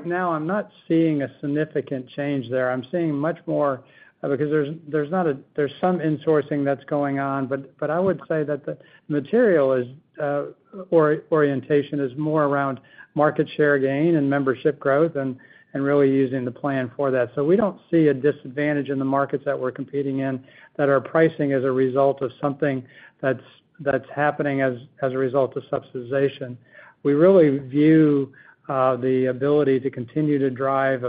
now, I'm not seeing a significant change there. I'm seeing much more because there's some insourcing that's going on, but I would say that the material or orientation is more around market share gain and membership growth and really using the plan for that. So we don't see a disadvantage in the markets that we're competing in, that our pricing is a result of something that's happening as a result of subsidization. We really view the ability to continue to drive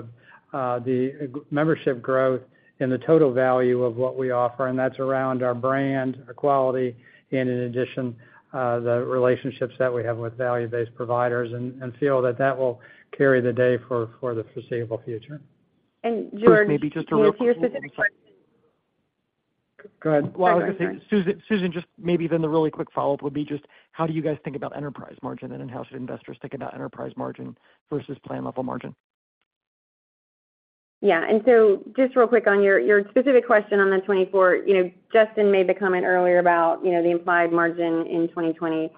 the membership growth and the total value of what we offer, and that's around our brand, our quality, and in addition, the relationships that we have with value-based providers, and feel that that will carry the day for the foreseeable future. George, maybe just a real quick question. Go ahead. Well, I was just saying, Susan, Susan, just maybe then the really quick follow-up would be just how do you guys think about enterprise margin, and then how should investors think about enterprise margin versus plan level margin? Yeah, and so just real quick on your, your specific question on the 2024, you know, Justin made the comment earlier about, you know, the implied margin in 2024,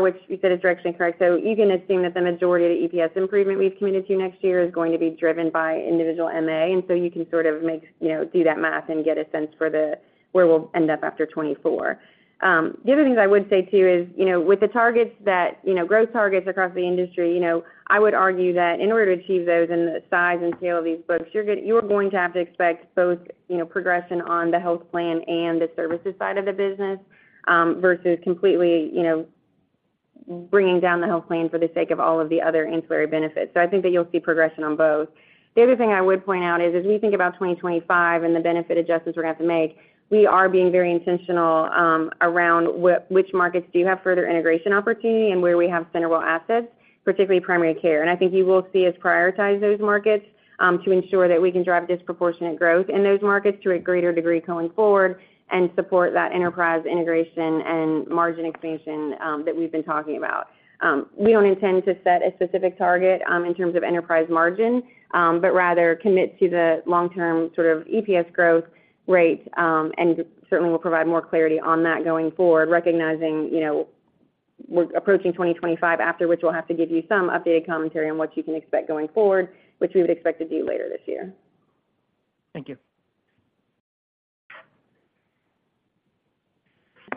which you said is directionally correct. So you can assume that the majority of the EPS improvement we've committed to next year is going to be driven by individual MA, and so you can sort of make, you know, do that math and get a sense for the, where we'll end up after 2024. The other things I would say, too, is, you know, with the targets that, you know, growth targets across the industry, you know, I would argue that in order to achieve those and the size and scale of these books, you're going to have to expect both, you know, progression on the health plan and the services side of the business, versus completely, you know, bringing down the health plan for the sake of all of the other ancillary benefits. So I think that you'll see progression on both. The other thing I would point out is, as we think about 2025 and the benefit adjustments we're gonna have to make, we are being very intentional, around which markets do have further integration opportunity and where we have synergistic assets, particularly primary care. I think you will see us prioritize those markets, to ensure that we can drive disproportionate growth in those markets to a greater degree going forward and support that enterprise integration and margin expansion, that we've been talking about. We don't intend to set a specific target, in terms of enterprise margin, but rather commit to the long-term sort of EPS growth rate, and certainly we'll provide more clarity on that going forward, recognizing, you know, we're approaching 2025, after which we'll have to give you some updated commentary on what you can expect going forward, which we would expect to do later this year. Thank you.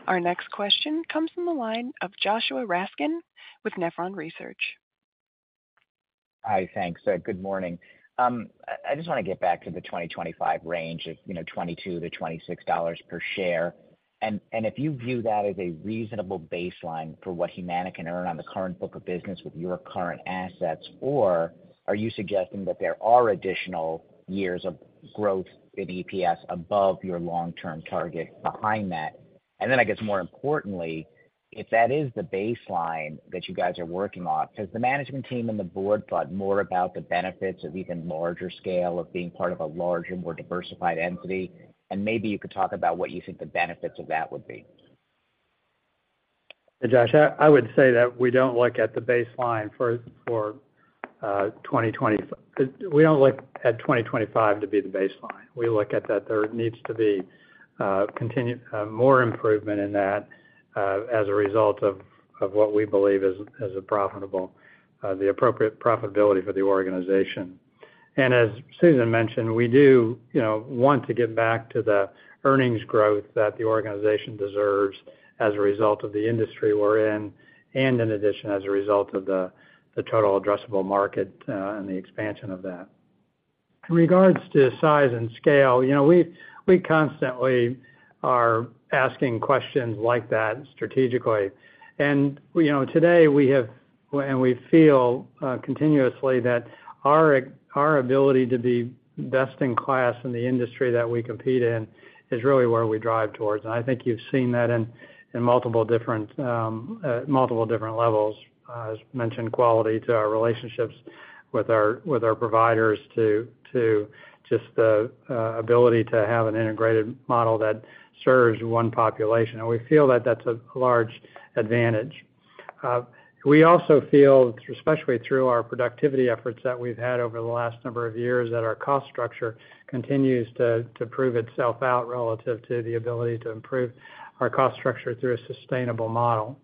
Our next question comes from the line of Joshua Raskin with Nephron Research. Hi, thanks. Good morning. I just wanna get back to the 2025 range of, you know, $22-$26 per share. And, and if you view that as a reasonable baseline for what Humana can earn on the current book of business with your current assets, or are you suggesting that there are additional years of growth in EPS above your long-term target behind that? And then I guess, more importantly, if that is the baseline that you guys are working off, has the management team and the board thought more about the benefits of even larger scale of being part of a larger, more diversified entity? And maybe you could talk about what you think the benefits of that would be. Josh, I would say that we don't look at the baseline for 2020. We don't look at 2025 to be the baseline. We look at that there needs to be continued more improvement in that as a result of what we believe is a profitable the appropriate profitability for the organization. And as Susan mentioned, we do, you know, want to get back to the earnings growth that the organization deserves as a result of the industry we're in, and in addition, as a result of the total addressable market and the expansion of that. In regards to size and scale, you know, we constantly are asking questions like that strategically. You know, today, we have, and we feel continuously that our ability to be best in class in the industry that we compete in is really where we drive towards. And I think you've seen that in multiple different levels, as mentioned, quality to our relationships with our providers, to just the ability to have an integrated model that serves one population. And we feel that that's a large advantage. We also feel, especially through our productivity efforts that we've had over the last number of years, that our cost structure continues to prove itself out relative to the ability to improve our cost structure through a sustainable model.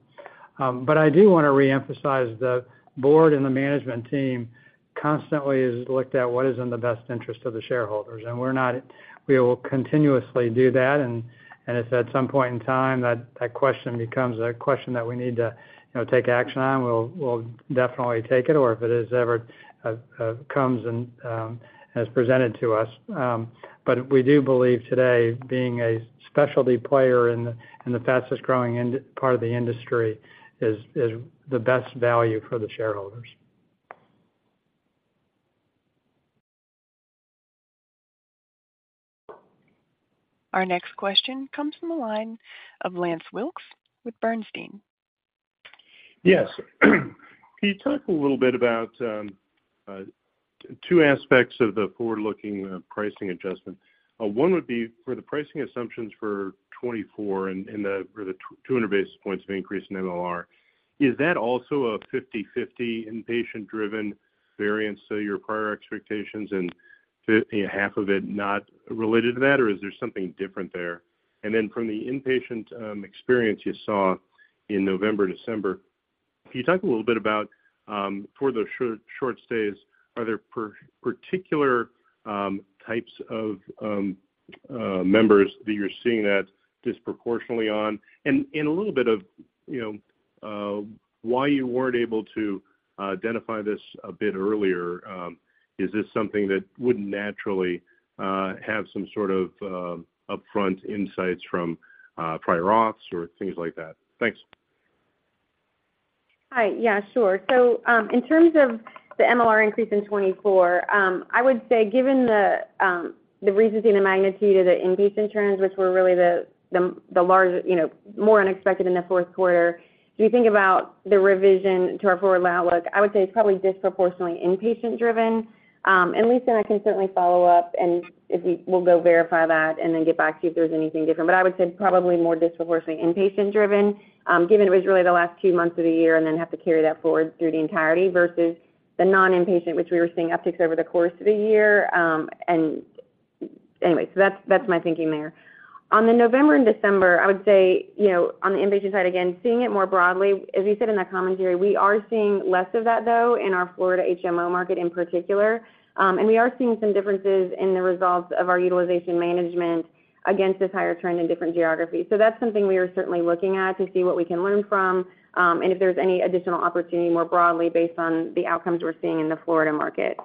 But I do wanna reemphasize, the board and the management team constantly has looked at what is in the best interest of the shareholders, and we're not, we will continuously do that, and if at some point in time, that question becomes a question that we need to, you know, take action on, we'll definitely take it, or if it is ever comes and as presented to us. But we do believe today, being a specialty player in the fastest growing part of the industry is the best value for the shareholders. Our next question comes from the line of Lance Wilkes with Bernstein. Yes. Can you talk a little bit about two aspects of the forward-looking pricing adjustment? One would be for the pricing assumptions for 2024 and the, or the 200 basis points of increase in MLR, is that also a 50/50 inpatient driven variance, so your prior expectations and half of it not related to that, or is there something different there? And then from the inpatient experience you saw-... in November, December. Can you talk a little bit about, for the short, short stays, are there particular types of members that you're seeing that disproportionately on? And a little bit of, you know, why you weren't able to identify this a bit earlier. Is this something that would naturally have some sort of upfront insights from prior ops or things like that? Thanks. Hi. Yeah, sure. So, in terms of the MLR increase in 2024, I would say, given the reasons and the magnitude of the inpatient trends, which were really the large, you know, more unexpected in the fourth quarter, if you think about the revision to our forward outlook, I would say it's probably disproportionately inpatient driven. And Lisa and I can certainly follow up, and if we'll go verify that and then get back to you if there's anything different. But I would say probably more disproportionately inpatient driven, given it was really the last two months of the year, and then have to carry that forward through the entirety versus the non-inpatient, which we were seeing upticks over the course of the year. And anyway, so that's, that's my thinking there. On the November and December, I would say, you know, on the inpatient side, again, seeing it more broadly, as you said in that commentary, we are seeing less of that, though, in our Florida HMO market in particular. And we are seeing some differences in the results of our utilization management against this higher trend in different geographies. So that's something we are certainly looking at to see what we can learn from, and if there's any additional opportunity more broadly based on the outcomes we're seeing in the Florida market.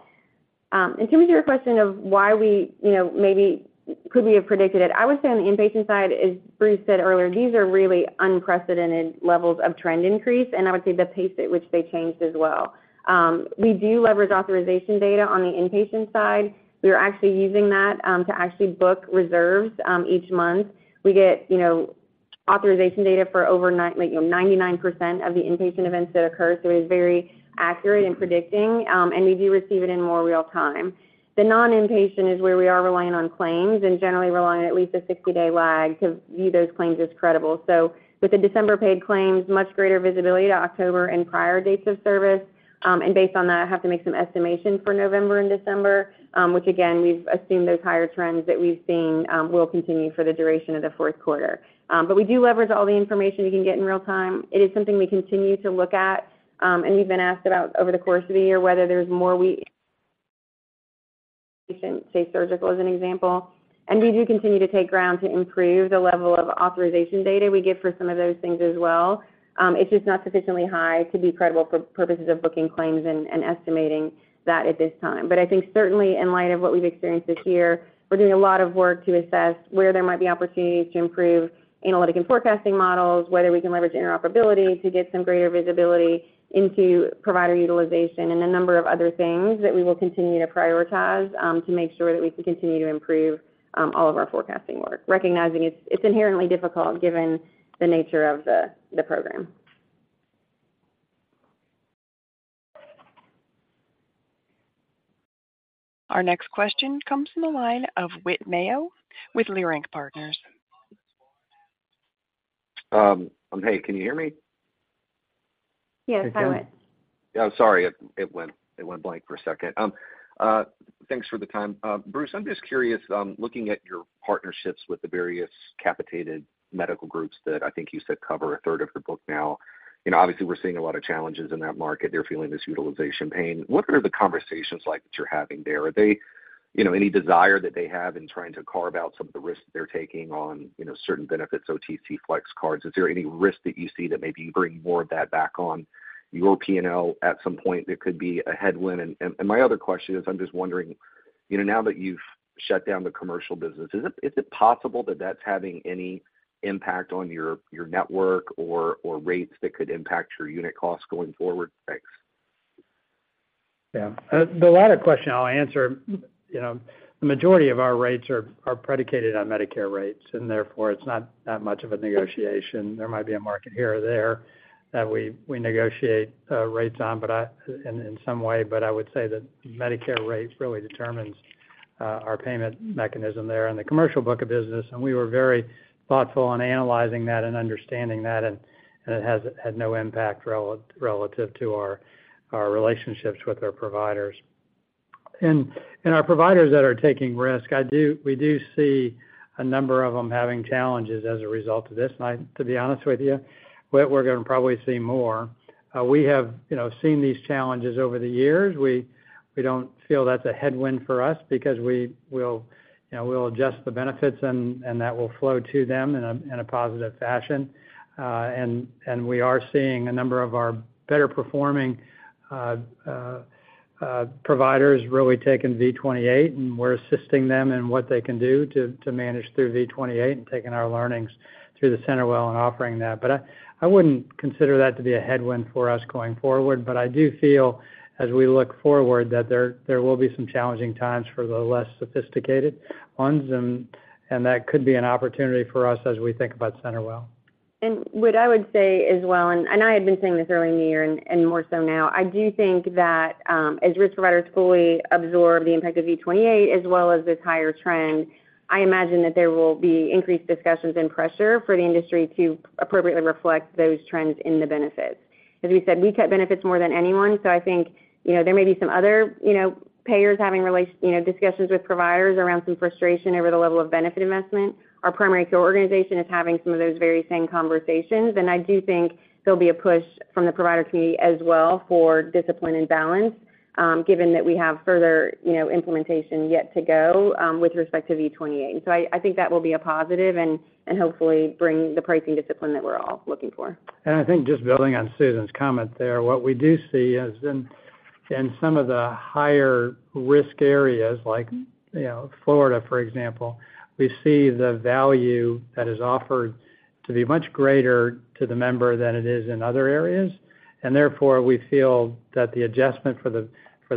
In terms of your question of why we, you know, maybe could we have predicted it? I would say on the inpatient side, as Bruce said earlier, these are really unprecedented levels of trend increase, and I would say the pace at which they changed as well. We do leverage authorization data on the inpatient side. We are actually using that to actually book reserves each month. We get, you know, authorization data for over 99% of the inpatient events that occur, so it's very accurate in predicting, and we do receive it in more real time. The non-inpatient is where we are relying on claims and generally relying on at least a 60-day lag to view those claims as credible. So with the December paid claims, much greater visibility to October and prior dates of service, and based on that, I have to make some estimations for November and December. Which again, we've assumed those higher trends that we've seen will continue for the duration of the fourth quarter. But we do leverage all the information we can get in real time. It is something we continue to look at, and we've been asked about over the course of the year, whether there's more we can say, surgical as an example. And we do continue to gain ground to improve the level of authorization data we get for some of those things as well. It's just not sufficiently high to be credible for purposes of booking claims and estimating that at this time. But I think certainly in light of what we've experienced this year, we're doing a lot of work to assess where there might be opportunities to improve analytic and forecasting models, whether we can leverage interoperability to get some greater visibility into provider utilization, and a number of other things that we will continue to prioritize to make sure that we can continue to improve all of our forecasting work, recognizing it's inherently difficult given the nature of the program. Our next question comes from the line of Whit Mayo with Leerink Partners. Hey, can you hear me? Yes, I would. Yeah, sorry, it went blank for a second. Thanks for the time. Bruce, I'm just curious, looking at your partnerships with the various capitated medical groups that I think you said cover a third of the book now, you know, obviously, we're seeing a lot of challenges in that market. They're feeling this utilization pain. What are the conversations like that you're having there? Are they, you know, any desire that they have in trying to carve out some of the risks they're taking on, you know, certain benefits, OTC, flex cards? Is there any risk that you see that maybe you bring more of that back on your P&L at some point, that could be a headwind? My other question is, I'm just wondering, you know, now that you've shut down the commercial business, is it possible that that's having any impact on your network or rates that could impact your unit costs going forward? Thanks. Yeah. The latter question I'll answer. You know, the majority of our rates are predicated on Medicare rates, and therefore, it's not that much of a negotiation. There might be a market here or there that we negotiate rates on, but in some way, but I would say that Medicare rates really determines our payment mechanism there. In the commercial book of business, and we were very thoughtful on analyzing that and understanding that, and it has had no impact relative to our relationships with our providers. And our providers that are taking risk, we do see a number of them having challenges as a result of this. And I, to be honest with you, we're gonna probably see more. We have, you know, seen these challenges over the years. We don't feel that's a headwind for us because we will, you know, we'll adjust the benefits and that will flow to them in a positive fashion. And we are seeing a number of our better-performing providers really taking V28, and we're assisting them in what they can do to manage through V28 and taking our learnings through the CenterWell and offering that. But I wouldn't consider that to be a headwind for us going forward, but I do feel as we look forward, that there will be some challenging times for the less sophisticated ones, and that could be an opportunity for us as we think about CenterWell. And what I would say as well, I had been saying this earlier in the year and more so now, I do think that as risk providers fully absorb the impact of V28 as well as this higher trend, I imagine that there will be increased discussions and pressure for the industry to appropriately reflect those trends in the benefits... as we said, we cut benefits more than anyone. So I think, you know, there may be some other, you know, payers having relation, you know, discussions with providers around some frustration over the level of benefit investment. Our primary care organization is having some of those very same conversations, and I do think there'll be a push from the provider community as well for discipline and balance, given that we have further, you know, implementation yet to go, with respect to V28. So I think that will be a positive and hopefully bring the pricing discipline that we're all looking for. And I think just building on Susan's comment there, what we do see is in some of the higher risk areas, like, you know, Florida, for example, we see the value that is offered to be much greater to the member than it is in other areas. And therefore, we feel that the adjustment for the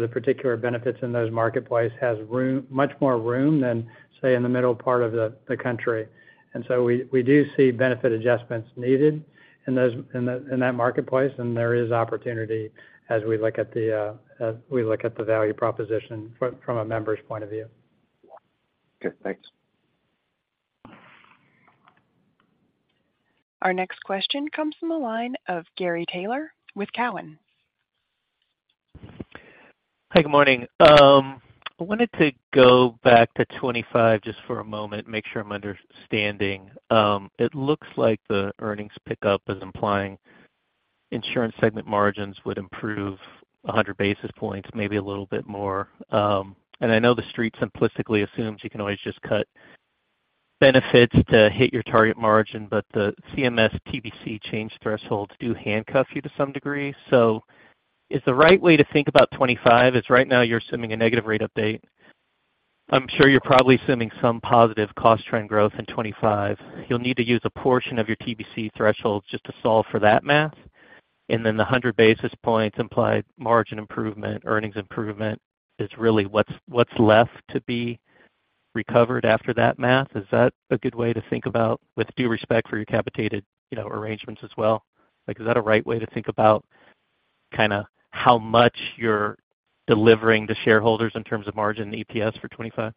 particular benefits in those marketplace has room—much more room than, say, in the middle part of the country. And so we do see benefit adjustments needed in those in that marketplace, and there is opportunity as we look at the value proposition from a member's point of view. Okay, thanks. Our next question comes from the line of Gary Taylor with Cowen. Hi, good morning. I wanted to go back to 2025 just for a moment, make sure I'm understanding. It looks like the earnings pickup is implying insurance segment margins would improve 100 basis points, maybe a little bit more. And I know the Street simplistically assumes you can always just cut benefits to hit your target margin, but the CMS TBC change thresholds do handcuff you to some degree. So is the right way to think about 2025 right now you're assuming a negative rate update? I'm sure you're probably assuming some positive cost trend growth in 2025. You'll need to use a portion of your TBC thresholds just to solve for that math. And then the 100 basis points implied margin improvement, earnings improvement is really what's, what's left to be recovered after that math. Is that a good way to think about, with due respect for your capitated, you know, arrangements as well? Like, is that a right way to think about kind of how much you're delivering to shareholders in terms of margin and EPS for 2025?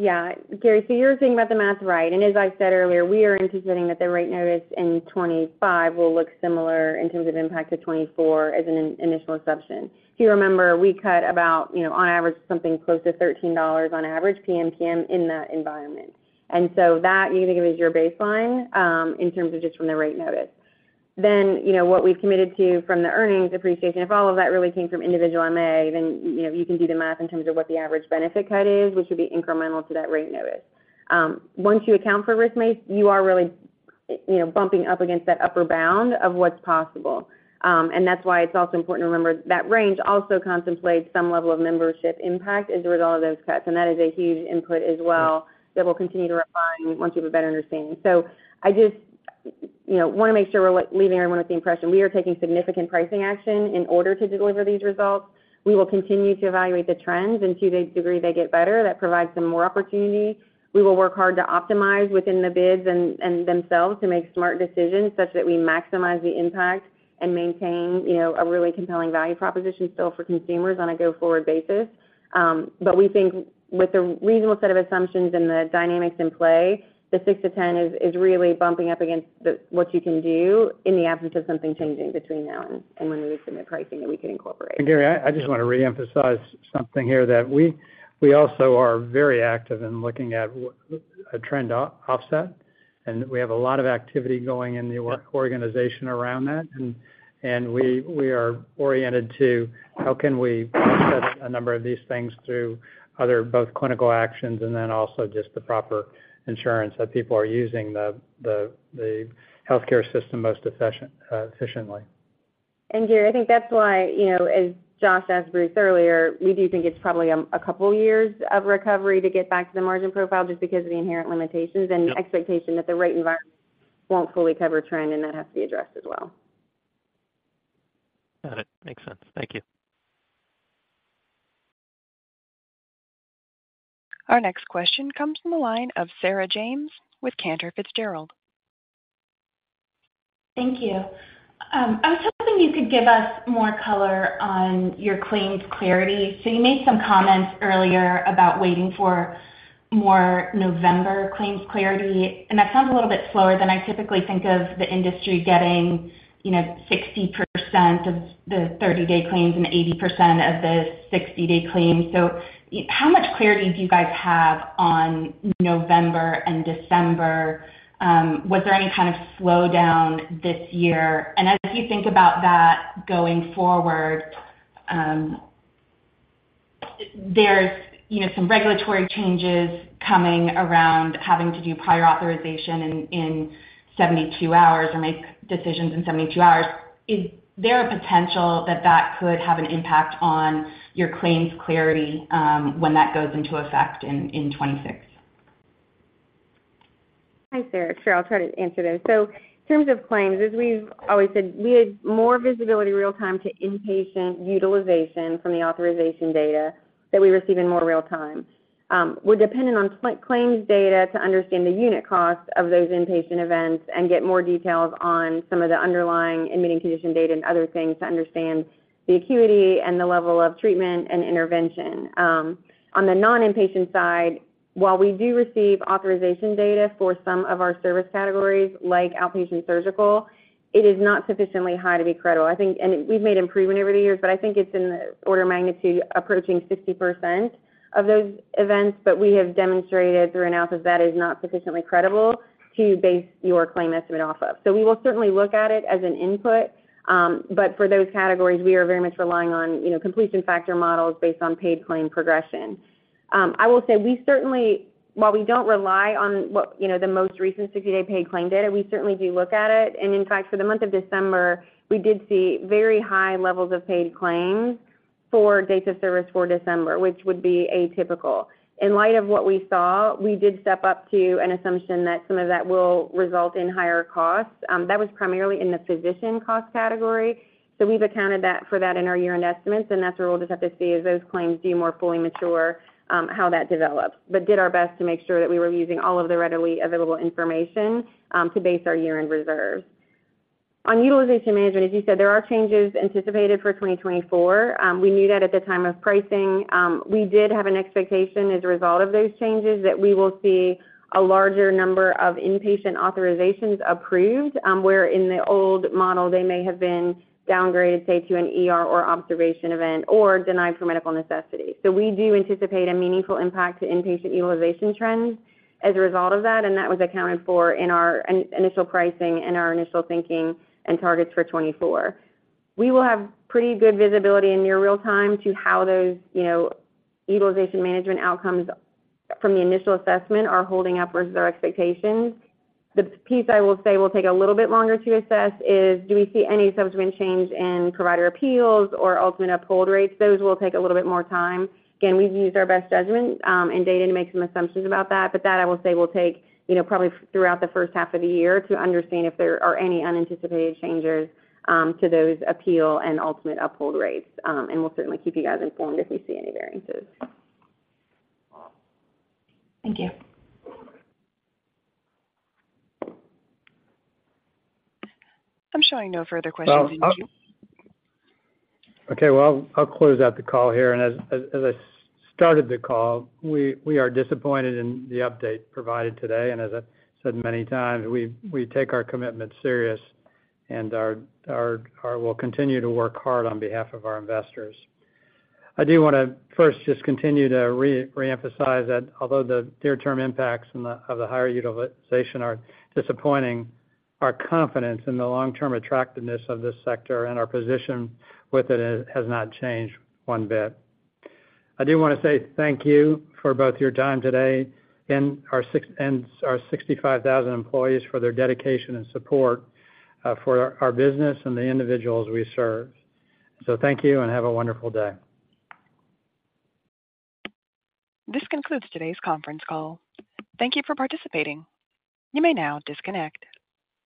Yeah, Gary, so you're thinking about the math right. And as I said earlier, we are anticipating that the rate notice in 2025 will look similar in terms of impact to 2024 as an initial assumption. If you remember, we cut about, you know, on average, something close to $13 on average, PMPM, in that environment. And so that you can think of as your baseline in terms of just from the rate notice. Then, you know, what we've committed to from the earnings appreciation, if all of that really came from individual MA, then, you know, you can do the math in terms of what the average benefit cut is, which would be incremental to that rate notice. Once you account for risk, you are really, you know, bumping up against that upper bound of what's possible. And that's why it's also important to remember that range also contemplates some level of membership impact as a result of those cuts, and that is a huge input as well, that we'll continue to refine once you have a better understanding. So I just, you know, want to make sure we're leaving everyone with the impression we are taking significant pricing action in order to deliver these results. We will continue to evaluate the trends, and to the degree they get better, that provides some more opportunity. We will work hard to optimize within the bids and themselves to make smart decisions such that we maximize the impact and maintain, you know, a really compelling value proposition still for consumers on a go-forward basis. But we think with a reasonable set of assumptions and the dynamics in play, the 6-10 is really bumping up against the, what you can do in the absence of something changing between now and when we submit pricing that we can incorporate. And Gary, I just want to reemphasize something here, that we also are very active in looking at a trend offset, and we have a lot of activity going in the work organization around that. And we are oriented to how can we set a number of these things through other both clinical actions and then also just the proper insurance, that people are using the healthcare system most efficiently. Gary, I think that's why, you know, as Josh asked Bruce earlier, we do think it's probably a couple years of recovery to get back to the margin profile, just because of the inherent limitations and- Yep the expectation that the rate environment won't fully cover trend, and that has to be addressed as well. Got it. Makes sense. Thank you. Our next question comes from the line of Sarah James with Cantor Fitzgerald. Thank you. I was hoping you could give us more color on your claims clarity. So you made some comments earlier about waiting for more November claims clarity, and that sounds a little bit slower than I typically think of the industry getting, you know, 60% of the 30-day claims and 80% of the 60-day claims. So how much clarity do you guys have on November and December? Was there any kind of slowdown this year? And as you think about that going forward, there's, you know, some regulatory changes coming around, having to do prior authorization in 72 hours or make decisions in 72 hours. Is there a potential that that could have an impact on your claims clarity, when that goes into effect in 2026?... Hi, Sarah. Sure, I'll try to answer those. So in terms of claims, as we've always said, we had more visibility real time to inpatient utilization from the authorization data that we receive in more real time. We're dependent on claims data to understand the unit costs of those inpatient events and get more details on some of the underlying admitting condition data and other things to understand the acuity and the level of treatment and intervention. On the non-inpatient side, while we do receive authorization data for some of our service categories, like outpatient surgical, it is not sufficiently high to be credible. I think, and we've made improvement over the years, but I think it's in the order of magnitude, approaching 60% of those events. But we have demonstrated through analysis that is not sufficiently credible to base your claim estimate off of. So we will certainly look at it as an input, but for those categories, we are very much relying on, you know, completion factor models based on paid claim progression. I will say we certainly, while we don't rely on what, you know, the most recent 60-day paid claim data, we certainly do look at it. And in fact, for the month of December, we did see very high levels of paid claims for dates of service for December, which would be atypical. In light of what we saw, we did step up to an assumption that some of that will result in higher costs. That was primarily in the physician cost category, so we've accounted for that in our year-end estimates, and that's where we'll just have to see as those claims do more fully mature, how that develops. But did our best to make sure that we were using all of the readily available information, to base our year-end reserve. On utilization management, as you said, there are changes anticipated for 2024. We knew that at the time of pricing. We did have an expectation as a result of those changes, that we will see a larger number of inpatient authorizations approved, where in the old model, they may have been downgraded, say, to an ER or observation event or denied for medical necessity. So we do anticipate a meaningful impact to inpatient utilization trends as a result of that, and that was accounted for in our initial pricing and our initial thinking and targets for 2024. We will have pretty good visibility in near real time to how those, you know, utilization management outcomes from the initial assessment are holding up versus our expectations. The piece I will say will take a little bit longer to assess is, do we see any subsequent change in provider appeals or ultimate uphold rates? Those will take a little bit more time. Again, we've used our best judgment, and data to make some assumptions about that, but that I will say, will take, you know, probably throughout the first half of the year to understand if there are any unanticipated changes, to those appeal and ultimate uphold rates. And we'll certainly keep you guys informed if we see any variances. Thank you. I'm showing no further questions in queue. Okay, well, I'll close out the call here. And as I started the call, we are disappointed in the update provided today. And as I said many times, we take our commitment serious and our-- we'll continue to work hard on behalf of our investors. I do want to first just continue to reemphasize that although the near-term impacts from the-- of the higher utilization are disappointing, our confidence in the long-term attractiveness of this sector and our position with it has not changed one bit. I do want to say thank you for both your time today and our 65,000 employees for their dedication and support for our business and the individuals we serve. So thank you and have a wonderful day. This concludes today's conference call. Thank you for participating. You may now disconnect.